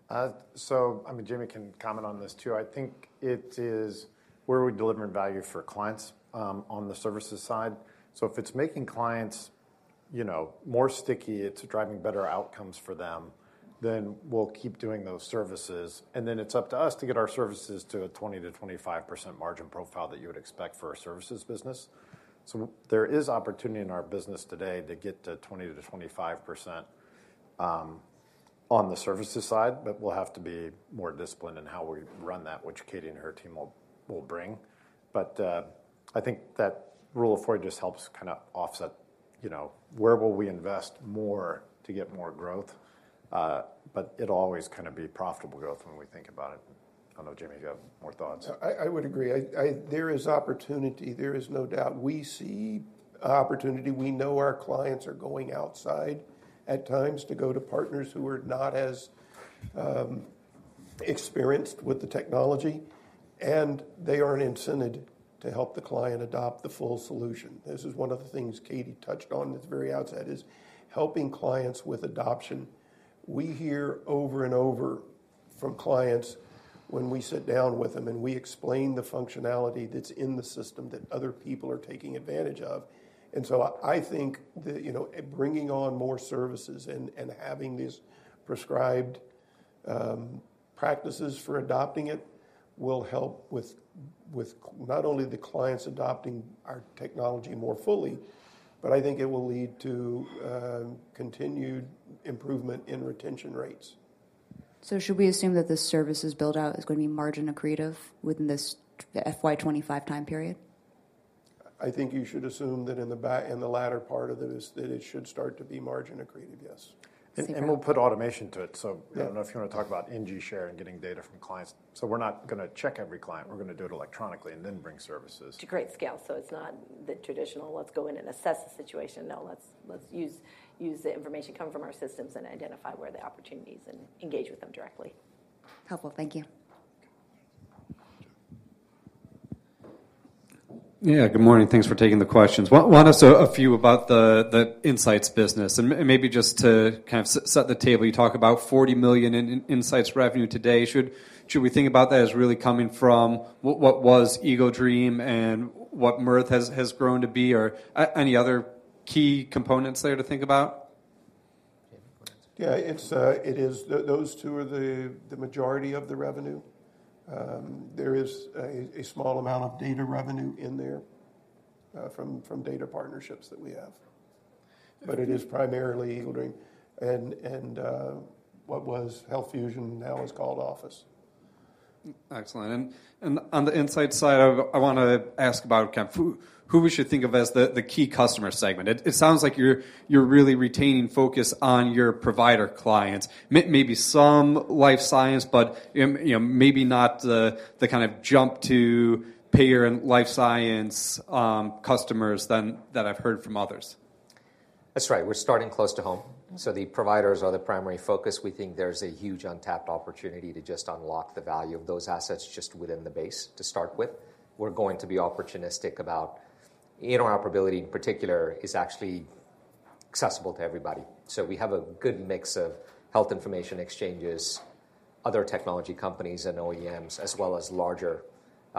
I mean, Jamie can comment on this too. I think it is where are we delivering value for clients on the services side. If it's making clients now, more sticky, it's driving better outcomes for them, then we'll keep doing those services. It's up to us to get our services to a 20%-25% margin profile that you would expect for a services business. There is opportunity in our business today to get to 20%-25% on the services side, but we'll have to be more disciplined in how we run that, which Katie and her team will bring. I think that Rule of 40 just helps kinda offset, you where will we invest more to get more growth. It'll always kinda be profitable growth when we think about it. I don't know, Jamie, if you have more thoughts. I would agree. There is opportunity. There is no doubt. We see opportunity. We know our clients are going outside at times to go to partners who are not as experienced with the technology, and they aren't incented to help the client adopt the full solution. This is one of the things Katie touched on at the very outset, is helping clients with adoption. We hear over and over from clients when we sit down with them, and we explain the functionality that's in the system that other people are taking advantage of. I think that bringing on more services and having these prescribed practices for adopting it will help with not only the clients adopting our technology more fully, but I think it will lead to continued improvement in retention rates. Should we assume that this services build-out is gonna be margin accretive within this FY 2025 time period? I think you should assume that in the latter part of this, that it should start to be margin accretive, yes. We'll put automation to isI don't know if you wanna talk about NextGen Share and getting data from clients. We're not gonna check every client. We're gonna do it electronically and then bring services. To great scale. It's not the traditional, "Let's go in and assess the situation." No, let's use the information coming from our systems and identify where the opportunity is and engage with them directly. Helpful. Thank you. Yeah. Good morning. Thanks for taking the questions. One is a few about the Insights business. Maybe just to kind of set the table, you talk about $40 million in Insights revenue today. Should we think about that as really coming from what was EagleDream and what Mirth has grown to be, or any other key components there to think about? David, why don't you take that? Yeah. It's those two are the majority of the revenue. There is a small amount of data revenue in there from data partnerships that we have. It is primarily EagleDream and what was HealthFusion now is called Office. Excellent. On the insight side, I wanna ask about kind of who we should think of as the key customer segment. It sounds like you're really retaining focus on your provider clients. Maybe some life science, but maybe not the kind of jump to payer and life science customers than that I've heard from others. That's right. We're starting close to home. The providers are the primary focus. We think there's a huge untapped opportunity to just unlock the value of those assets just within the base to start with. We're going to be opportunistic about interoperability. Interoperability, in particular, is actually accessible to everybody. We have a good mix of health information exchanges, other technology companies and OEMs, as well as larger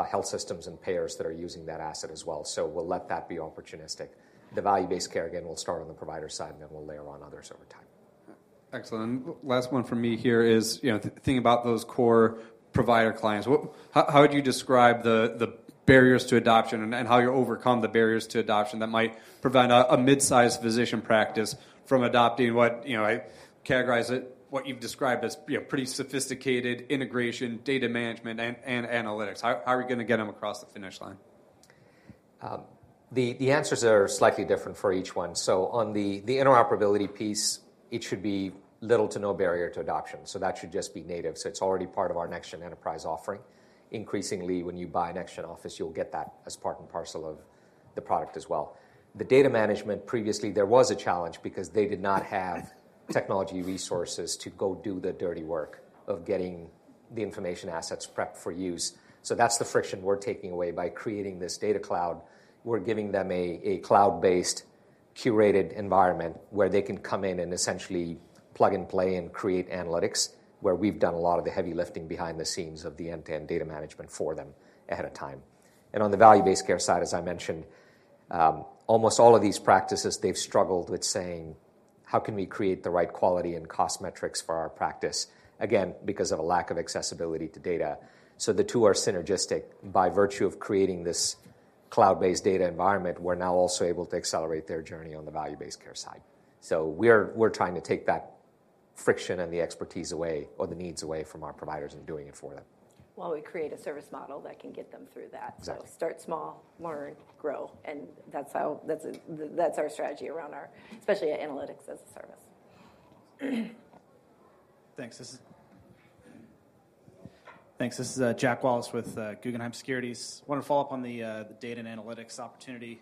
health systems and payers that are using that asset as well. We'll let that be opportunistic. The Value-Based Care, again, we'll start on the provider side, and then we'll layer on others over time. Okay. Excellent. Last one from me here is thinking about those core provider clients, how would you describe the barriers to adoption and how you overcome the barriers to adoption that might prevent a mid-sized physician practice from adopting what I characterize it, what you've described as pretty sophisticated integration, data management, and analytics. How are we gonna get them across the finish line? The answers are slightly different for each one. On the interoperability piece, it should be little to no barrier to adoption. That should just be native. It's already part of our NextGen Enterprise offering. Increasingly, when you buy NextGen Office, you'll get that as part and parcel of the product as well. The data management, previously, there was a challenge because they did not have technology resources to go do the dirty work of getting the information assets prepped for use. That's the friction we're taking away by creating this data cloud. We're giving them a cloud-based, curated environment where they can come in and essentially plug and play and create analytics, where we've done a lot of the heavy lifting behind the scenes of the end-to-end data management for them ahead of time. On the value-based care side, as I mentioned, almost all of these practices, they've struggled with saying, "How can we create the right quality and cost metrics for our practice?" Again, because of a lack of accessibility to data. The two are synergistic. By virtue of creating this cloud-based data environment, we're now also able to accelerate their journey on the value-based care side. We're trying to take that friction and the expertise away, or the needs away from our providers and doing it for them. While we create a service model that can get them through that. Exactly. Start small, learn, grow, and that's how. That's our strategy around our, especially analytics as a service. Thanks. Thanks. This is Jack Wallace with Guggenheim Securities. Want to follow up on the data and analytics opportunity.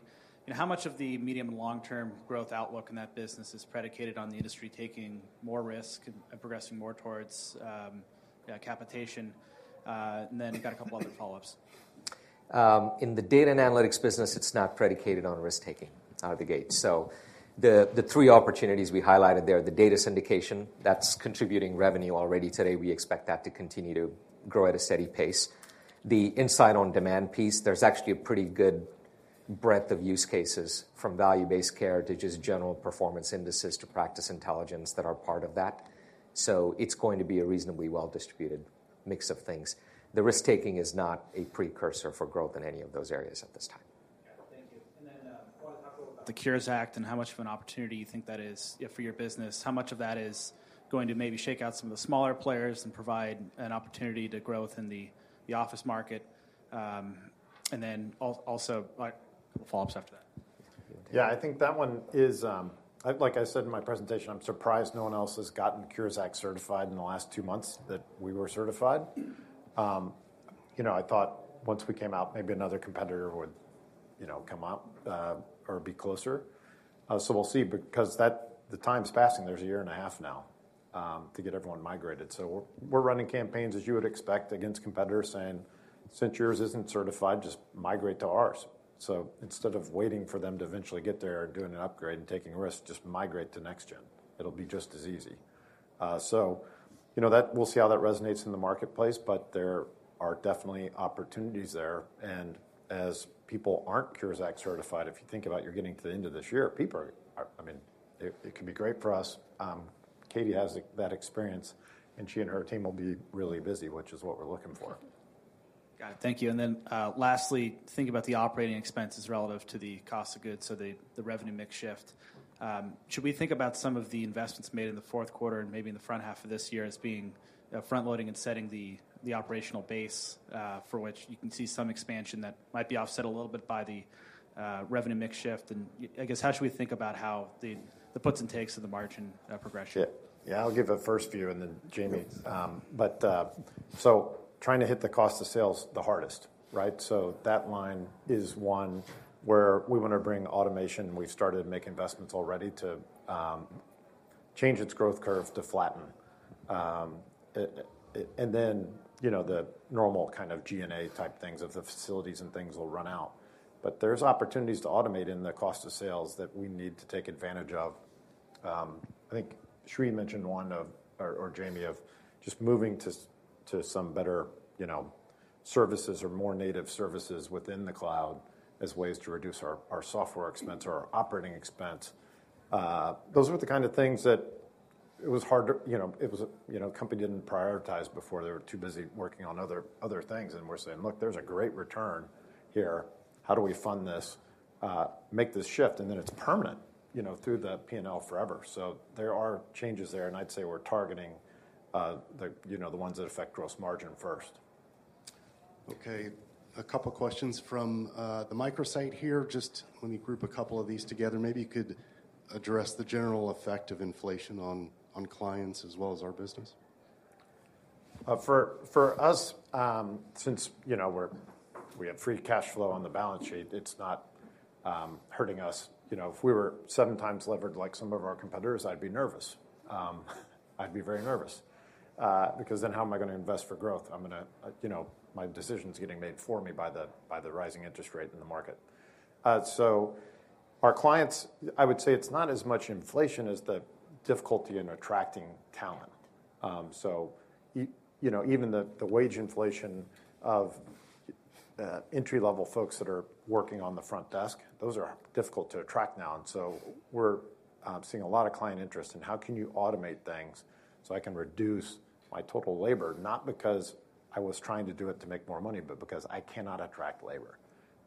How much of the medium and long-term growth outlook in that business is predicated on the industry taking more risk and progressing more towards, yeah, capitation? And then got a couple other follow-ups. In the data and analytics business, it's not predicated on risk-taking out of the gate. The three opportunities we highlighted there, the data syndication, that's contributing revenue already today. We expect that to continue to grow at a steady pace. The insight on demand piece, there's actually a pretty good breadth of use cases from Value-Based Care to just general performance indices to practice intelligence that are part of that. It's going to be a reasonably well-distributed mix of things. The risk-taking is not a precursor for growth in any of those areas at this time. Yeah. Thank you. I wanna talk a little about the Cures Act and how much of an opportunity you think that is for your business. How much of that is going to maybe shake out some of the smaller players and provide an opportunity to growth in the Office market? Also, like, couple follow-ups after that. Yeah, I think that one is. Like I said in my presentation, I'm surprised no one else has gotten Cures Act certified in the last two months that we were certified. I thought once we came out, maybe another competitor would come up or be closer. We'll see because that time's passing. There's a year and a half now to get everyone migrated. We're running campaigns, as you would expect, against competitors saying, "Since yours isn't certified, just migrate to ours." Instead of waiting for them to eventually get there, doing an upgrade, and taking a risk, just migrate to NextGen. It'll be just as easy. We'll see how that resonates in the marketplace, but there are definitely opportunities there. As people aren't Century Cures Act certified, if you think about you're getting to the end of this year, people are, I mean, it can be great for us. Katie has that experience, and she and her team will be really busy, which is what we're looking for. Got it. Thank you. Lastly, thinking about the operating expenses relative to the cost of goods, so the revenue mix shift, should we think about some of the investments made in the fourth quarter and maybe in the front half of this year as bein front loading and setting the operational base, for which you can see some expansion that might be offset a little bit by the revenue mix shift? I guess, how should we think about how the puts and takes of the margin progression? Yeah. Yeah, I'll give a first view, and then Jamie. Trying to hit the cost of sales the hardest, right? That line is one where we wanna bring automation. We've started to make investments already to change its growth curve to flatten. The normal kind of G&A type things of the facilities and things will run out. There's opportunities to automate in the cost of sales that we need to take advantage of. I think Sri mentioned one of, or Jamie, of just moving to some better services or more native services. It was company didn't prioritize before. They were too busy working on other things, and we're saying, "Look, there's a great return here. How do we fund this, make this shift?" Then it's permanent through the P&L forever. There are changes there, and I'd say we're targeting the ones that affect gross margin first. Okay. A couple questions from the microsite here. Just let me group a couple of these together. Maybe you could address the general effect of inflation on clients as well as our business. For us, since we have free cash flow on the balance sheet, it's not hurting us. If we were 7x levered like some of our competitors, I'd be nervous. I'd be very nervous. Because then how am I gonna invest for growth? I'm gonna my decisions getting made for me by the rising interest rate in the market. Our clients, I would say it's not as much inflation as the difficulty in attracting talent. Even the wage inflation of entry-level folks that are working on the front desk, those are difficult to attract now. We're seeing a lot of client interest in how can you automate things so I can reduce my total labor, not because I was trying to do it to make more money, but because I cannot attract labor.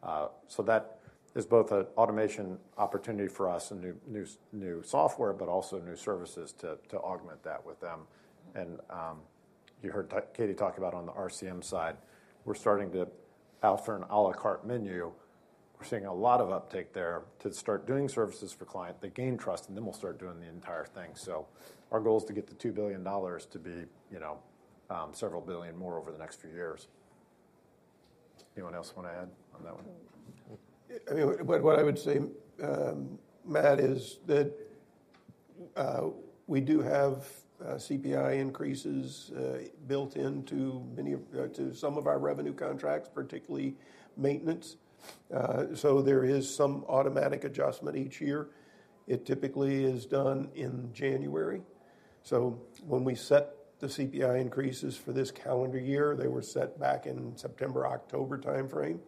That is both a automation opportunity for us and new software, but also new services to augment that with them. You heard Katie talk about on the RCM side, we're starting to offer an à la carte menu. We're seeing a lot of uptake there to start doing services for client. They gain trust, and then we'll start doing the entire thing. Our goal is to get the $2 billion to be several billion more over the next few years. Anyone else wanna add on that one? I mean, what I would say, Matt, is that we do have CPI increases built into some of our revenue contracts, particularly maintenance. There is some automatic adjustment each year. It typically is done in January. When we set the CPI increases for this calendar year, they were set back in September-October timeframe.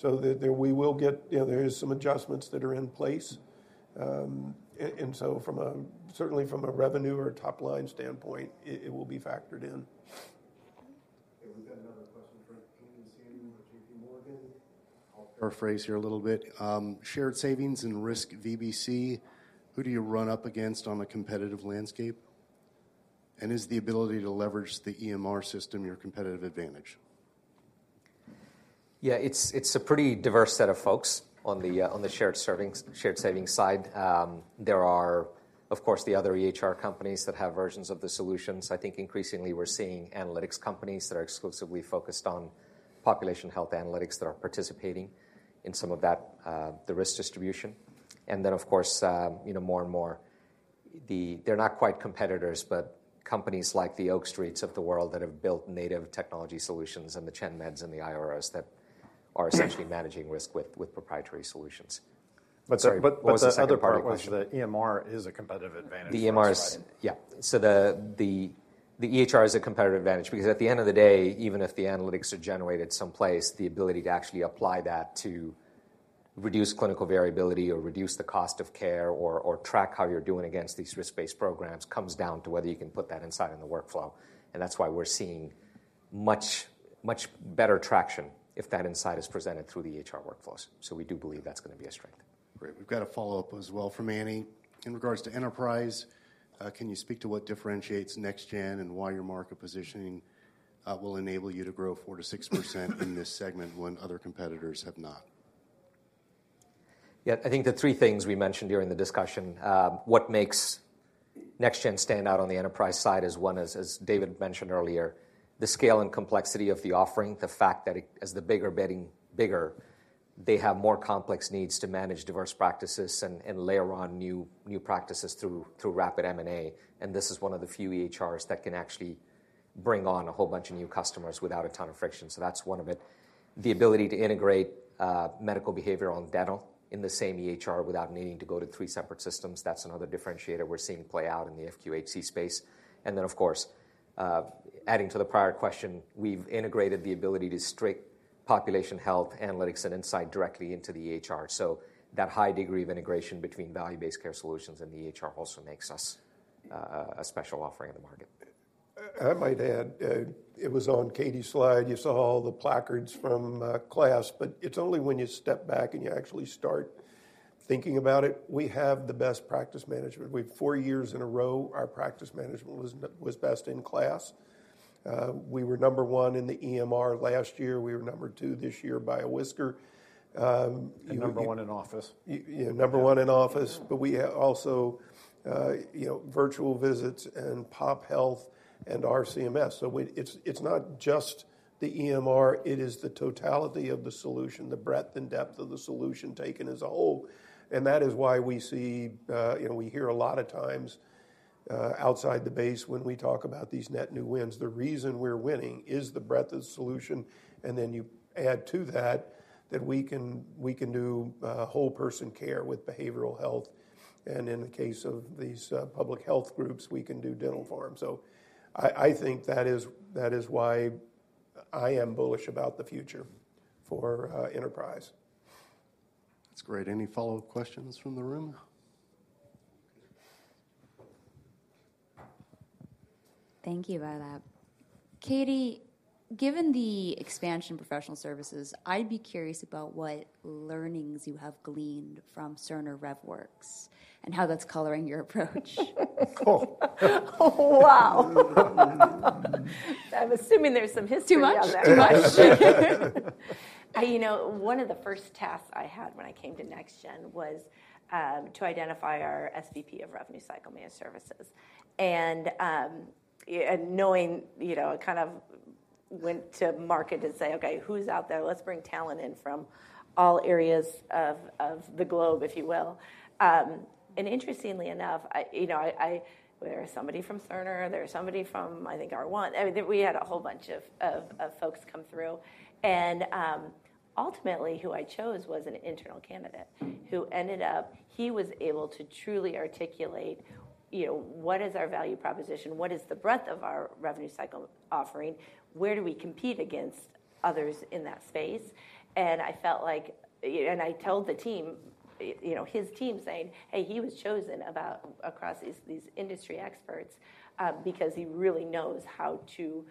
THere is some adjustments that are in place. Certainly from a revenue or top-line standpoint, it will be factored in. Okay. We've got another question from Anne Samuel with JP Morgan. I'll paraphrase here a little bit. Shared savings and risk VBC, who do you run up against on the competitive landscape? And is the ability to leverage the EMR system your competitive advantage? Yeah. It's a pretty diverse set of folks on the shared savings side. There are, of course, the other EHR companies that have versions of the solutions. I think increasingly we're seeing analytics companies that are exclusively focused on population health analytics that are participating in some of that, the risk distribution. Of course, more and more, they're not quite competitors, but companies like the Oak Street Healths of the world that have built native technology solutions and the ChenMeds and the Iora Healths that are essentially managing risk with proprietary solutions. Sorry, what was the second part of the question? The other part was the EMR is a competitive advantage. The EHR is a competitive advantage because at the end of the day, even if the analytics are generated someplace, the ability to actually apply that to reduce clinical variability or reduce the cost of care or track how you're doing against these risk-based programs comes down to whether you can put that insight in the workflow, and that's why we're seeing much, much better traction if that insight is presented through the EHR workflows. We do believe that's gonna be a strength. Great. We've got a follow-up as well from Anne. In regards to Enterprise, can you speak to what differentiates NextGen and why your market positioning will enable you to grow 4%-6% in this segment when other competitors have not? Yeah. I think the three things we mentioned during the discussion, what makes NextGen stand out on the Enterprise side is, one, as David mentioned earlier, the scale and complexity of the offering, the fact that as practices get bigger, they have more complex needs to manage diverse practices and layer on new practices through rapid M&A, and this is one of the few EHRs that can actually bring on a whole bunch of new customers without a ton of friction. That's one of it. The ability to integrate medical, behavioral, and dental in the same EHR without needing to go to three separate systems, that's another differentiator we're seeing play out in the FQHC space. Of course, adding to the prior question, we've integrated the ability to stream population health analytics and insight directly into the EHR. That high degree of integration between value-based care solutions and the EHR also makes us a special offering in the market. I might add, it was on Katie's slide. You saw all the placards from KLAS, but it's only when you step back and you actually start thinking about it. We have the best practice management. We've four years in a row our practice management was best in class. We were number one in the EMR last year. We were number two this year by a whisker. We beat. Number one in Office. Yeah, number one in Office. We also have virtual visits and pop health and RCMs. It's not just the EMR, it is the totality of the solution, the breadth and depth of the solution taken as a whole, and that is why we see, we hear a lot of times, outside the base when we talk about these net new wins, the reason we're winning is the breadth of solution, and then you add to that we can do whole person care with behavioral health, and in the case of these public health groups, we can do dental for them. I think that is why I am bullish about the future for Enterprise. That's great. Any follow-up questions from the room? Thank you, Velamoor. Katie, given the expansion professional services, I'd be curious about what learnings you have gleaned from Cerner RevWorks and how that's coloring your approach? Wow. I'm assuming there's some history on that one. Too much? One of the first tasks I had when I came to NextGen was to identify our SVP of Revenue Cycle Management Services. Knowing, I kind of went to market to say, "Okay, who's out there? Let's bring talent in from all areas of the globe," if you will. Interestingly enough, there was somebody from Cerner, there was somebody from, I think, R1 RCM. I mean, we had a whole bunch of folks come through. Ultimately, who I chose was an internal candidate. He was able to truly articulate what is our value proposition? What is the breadth of our revenue cycle offering? Where do we compete against others in that space? I felt like, you... I told the team, his team saying, "Hey, he was chosen about across these industry experts, because he really knows how to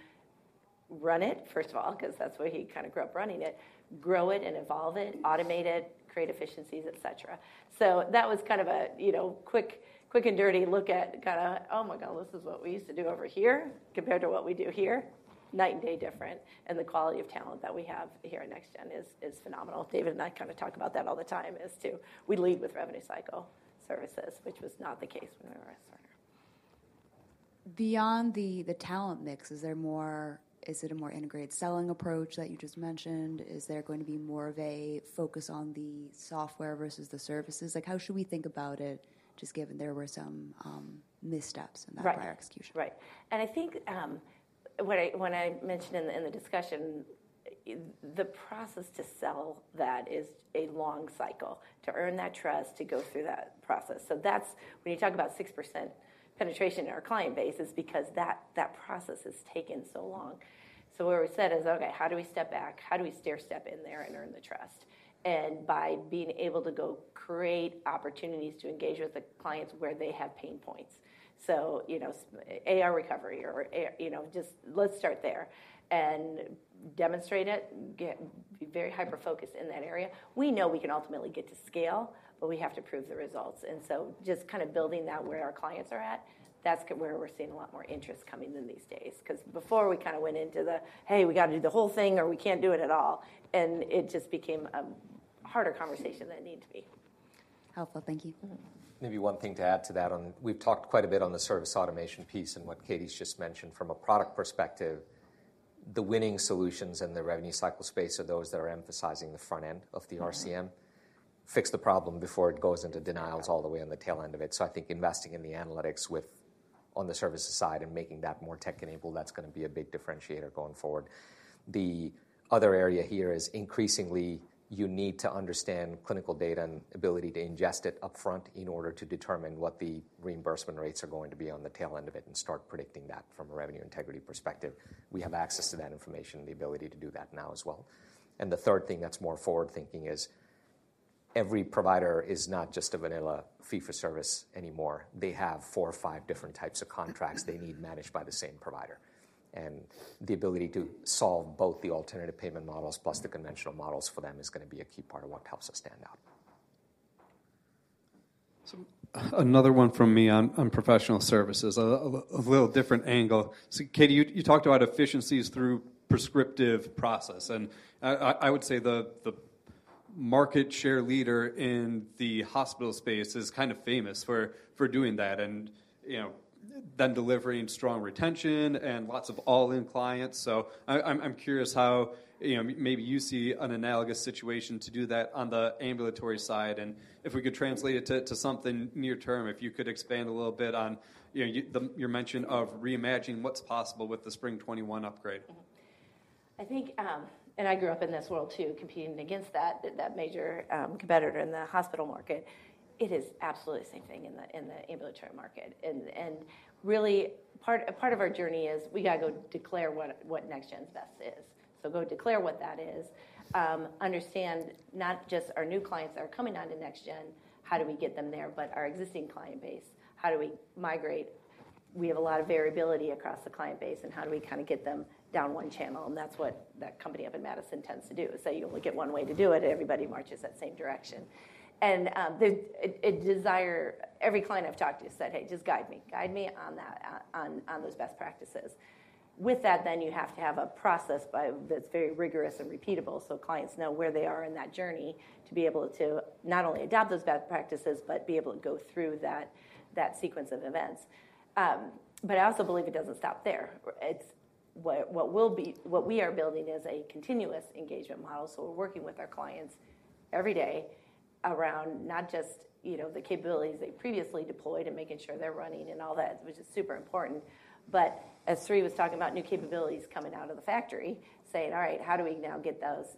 run it, first of all," because that's where he kinda grew up running it, "grow it and evolve it, automate it, create efficiencies, et cetera." That was kind of a quick and dirty look at kinda, oh my god, this is what we used to do over here compared to what we do here, night and day different, and the quality of talent that we have here at NextGen is phenomenal. David and I kinda talk about that all the time is to we lead with revenue cycle services, which was not the case when we were at Cerner. Beyond the talent mix, is it a more integrated selling approach that you just mentioned? Is there going to be more of a focus on the software versus the services? Like, how should we think about it, just given there were some missteps in that prior execution? Right. Right. I think what I, when I mentioned in the discussion, the process to sell that is a long cycle, to earn that trust, to go through that process. That's when you talk about 6% penetration in our client base is because that process has taken so long. What we said is, "Okay, how do we step back? How do we stair step in there and earn the trust?" By being able to go create opportunities to engage with the clients where they have pain points. AR recovery just let's start there and demonstrate it, get very hyper-focused in that area. We know we can ultimately get to scale, but we have to prove the results. Just kind of building that where our clients are at, that's where we're seeing a lot more interest coming in these days. 'Cause before we kinda went into the, "Hey, we gotta do the whole thing or we can't do it at all," and it just became a harder conversation than it needed to be. Helpful. Thank you. Maybe one thing to add to that. We've talked quite a bit on the service automation piece and what Katie's just mentioned from a product perspective. The winning solutions in the revenue cycle space are those that are emphasizing the front end of the RCM. Fix the problem before it goes into denials all the way on the tail end of it. I think investing in the analytics with, on the services side and making that more tech-enabled, that's gonna be a big differentiator going forward. The other area here is increasingly you need to understand clinical data and ability to ingest it upfront in order to determine what the reimbursement rates are going to be on the tail end of it and start predicting that from a revenue integrity perspective. We have access to that information and the ability to do that now as well. The third thing that's more forward-thinking is every provider is not just a vanilla fee-for-service anymore. They have four or five different types of contracts they need managed by the same provider. The ability to solve both the alternative payment models plus the conventional models for them is gonna be a key part of what helps us stand out. Another one from me on professional services, a little different angle. Katie, you talked about efficiencies through prescriptive process, and I would say the market share leader in the hospital space is kind of famous for doing that and them delivering strong retention and lots of all-in clients. I'm curious how maybe you see an analogous situation to do that on the ambulatory side, and if we could translate it to something near term, if you could expand a little bit on your mention of reimagining what's possible with the Spring '21 upgrade. I think I grew up in this world too, competing against that major competitor in the hospital market. It is absolutely the same thing in the ambulatory market. A part of our journey is we gotta go declare what NextGen's best is. Go declare what that is. Understand not just our new clients that are coming onto NextGen, how do we get them there, but our existing client base, how do we migrate? We have a lot of variability across the client base, and how do we kinda get them down one channel? That's what that company up in Madison tends to do, is say you only get one way to do it, everybody marches that same direction. Every client I've talked to said, "Hey, just guide me. Guide me on that, on those best practices." With that, you have to have a process that's very rigorous and repeatable so clients know where they are in that journey to be able to not only adopt those best practices, but be able to go through that sequence of events. I also believe it doesn't stop there. It's what we are building is a continuous engagement model, we're working with our clients every day around not just the capabilities they previously deployed and making sure they're running and all that, which is super important. As Sri was talking about new capabilities coming out of the factory, saying, "All right, how do we now get those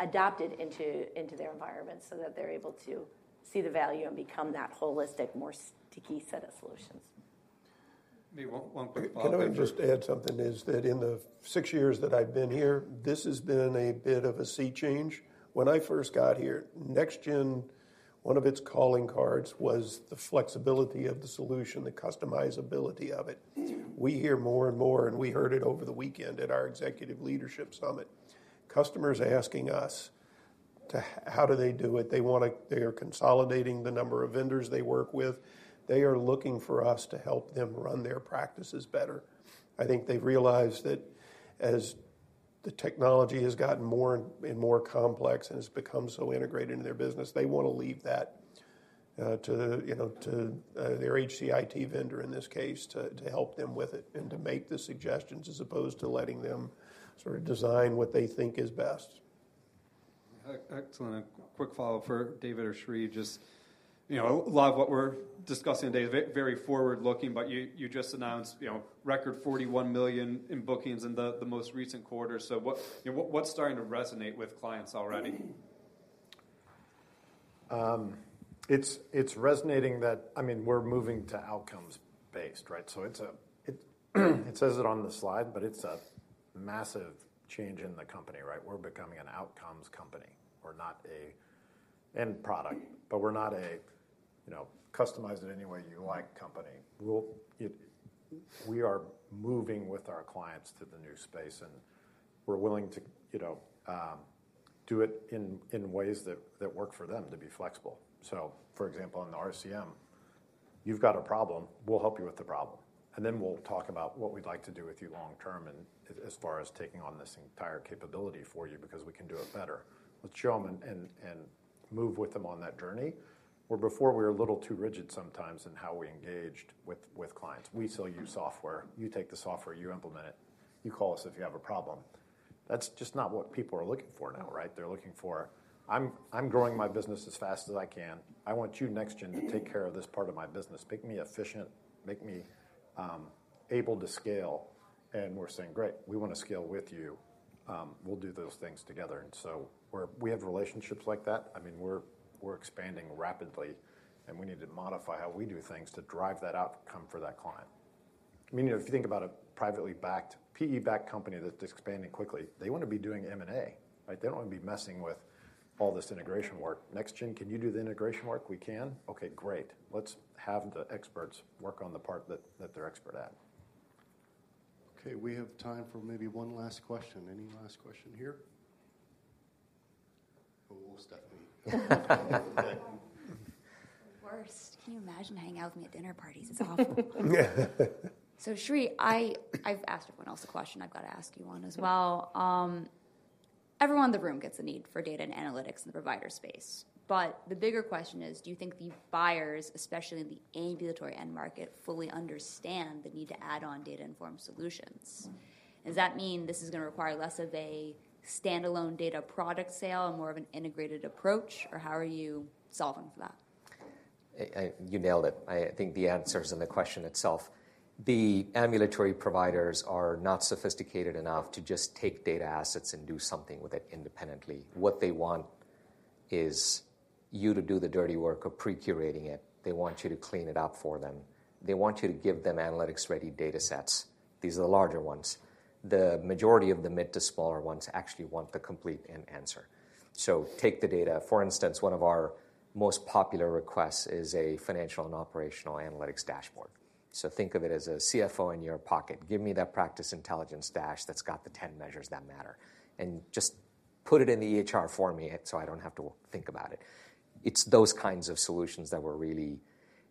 adopted into their environment so that they're able to see the value and become that holistic, more sticky set of solutions? Maybe one quick follow-up there. Can I just add something? In the six years that I've been here, this has been a bit of a sea change. When I first got here, NextGen, one of its calling cards was the flexibility of the solution, the customizability of it. We hear more and more, and we heard it over the weekend at our executive leadership summit, customers asking us. How do they do it? They are consolidating the number of vendors they work with. They are looking for us to help them run their practices better. I think they've realized that as the technology has gotten more and more complex, and it's become so integrated into their business, they wanna leave that to their HCIT vendor in this case to help them with it and to make the suggestions as opposed to letting them sort of design what they think is best. Excellent. A quick follow-up for David or Sri. A lot of what we're discussing today is very forward-looking, but you just announced record $41 million in bookings in the most recent quarter. What's starting to resonate with clients already? It's resonating that, I mean, we're moving to outcomes based, right? It says it on the slide, but it's a massive change in the company, right? We're becoming an outcomes company. We're not an end product, but we're not to customize it any way you like company. We are moving with our clients to the new space, and we're willing tovdo it in ways that work for them to be flexible. For example, on the RCM, you've got a problem, we'll help you with the problem, and then we'll talk about what we'd like to do with you long term and as far as taking on this entire capability for you because we can do it better. Let's show 'em and move with them on that journey, where before we were a little too rigid sometimes in how we engaged with clients. We sell you software, you take the software, you implement it, you call us if you have a problem. That's just not what people are looking for now, right? They're looking for I'm growing my business as fast as I can. I want you, NextGen, to take care of this part of my business. Make me efficient, make me able to scale. We're saying, "Great, we wanna scale with you. We'll do those things together." We have relationships like that. I mean, we're expanding rapidly, and we need to modify how we do things to drive that outcome for that client. I mean, if you think about a privately backed, PE-backed company that's expanding quickly, they wanna be doing M&A, right? They don't wanna be messing with all this integration work. NextGen, can you do the integration work? We can. Okay, great. Let's have the experts work on the part that they're expert at. Okay, we have time for maybe one last question. Any last question here? Oh, Stephanie. The worst. Can you imagine hanging out with me at dinner parties? It's awful. Sri, I've asked everyone else a question. I've gotta ask you one as well. Everyone in the room gets the need for data and analytics in the provider space. The bigger question is, do you think the buyers, especially in the ambulatory end market, fully understand the need to add on data-informed solutions? Does that mean this is gonna require less of a standalone data product sale and more of an integrated approach, or how are you solving for that? You nailed it. I think the answer is in the question itself. The ambulatory providers are not sophisticated enough to just take data assets and do something with it independently. What they want is you to do the dirty work of pre-curating it. They want you to clean it up for them. They want you to give them analytics-ready datasets. These are the larger ones. The majority of the mid to smaller ones actually want the complete end answer. Take the data. For instance, one of our most popular requests is a financial and operational analytics dashboard. Think of it as a CFO in your pocket. Give me that practice intelligence dashboard that's got the 10 measures that matter, and just put it in the EHR for me so I don't have to think about it. It's those kinds of solutions that we're really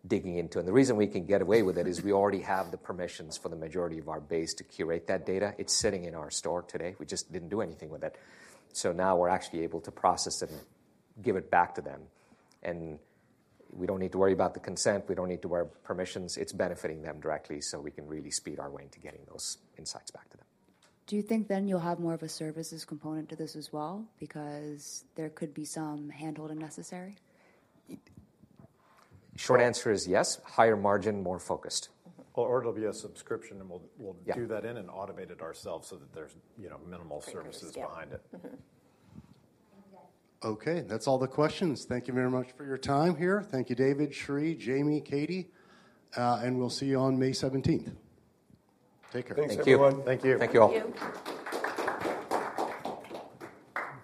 digging into, and the reason we can get away with it is we already have the permissions for the majority of our base to curate that data. It's sitting in our store today. We just didn't do anything with it. Now we're actually able to process it and give it back to them, and we don't need to worry about the consent. We don't need to worry about permissions. It's benefiting them directly, so we can really speed our way into getting those Insights back to them. Do you think then you'll have more of a services component to this as well? Because there could be some hand-holding necessary. Short answer is yes. Higher margin, more focused. It'll be a subscription, and we'll do that in Yeah Automate it ourselves so that there's minimal services behind it. Mm-hmm. Thank you, guys. Okay, that's all the questions. Thank you very much for your time here. Thank you, David, Sri, Jamie, Katie, and we'll see you on May 17th. Take care. Thanks, everyone. Thank you. Thank you. Thank you all. Thank you.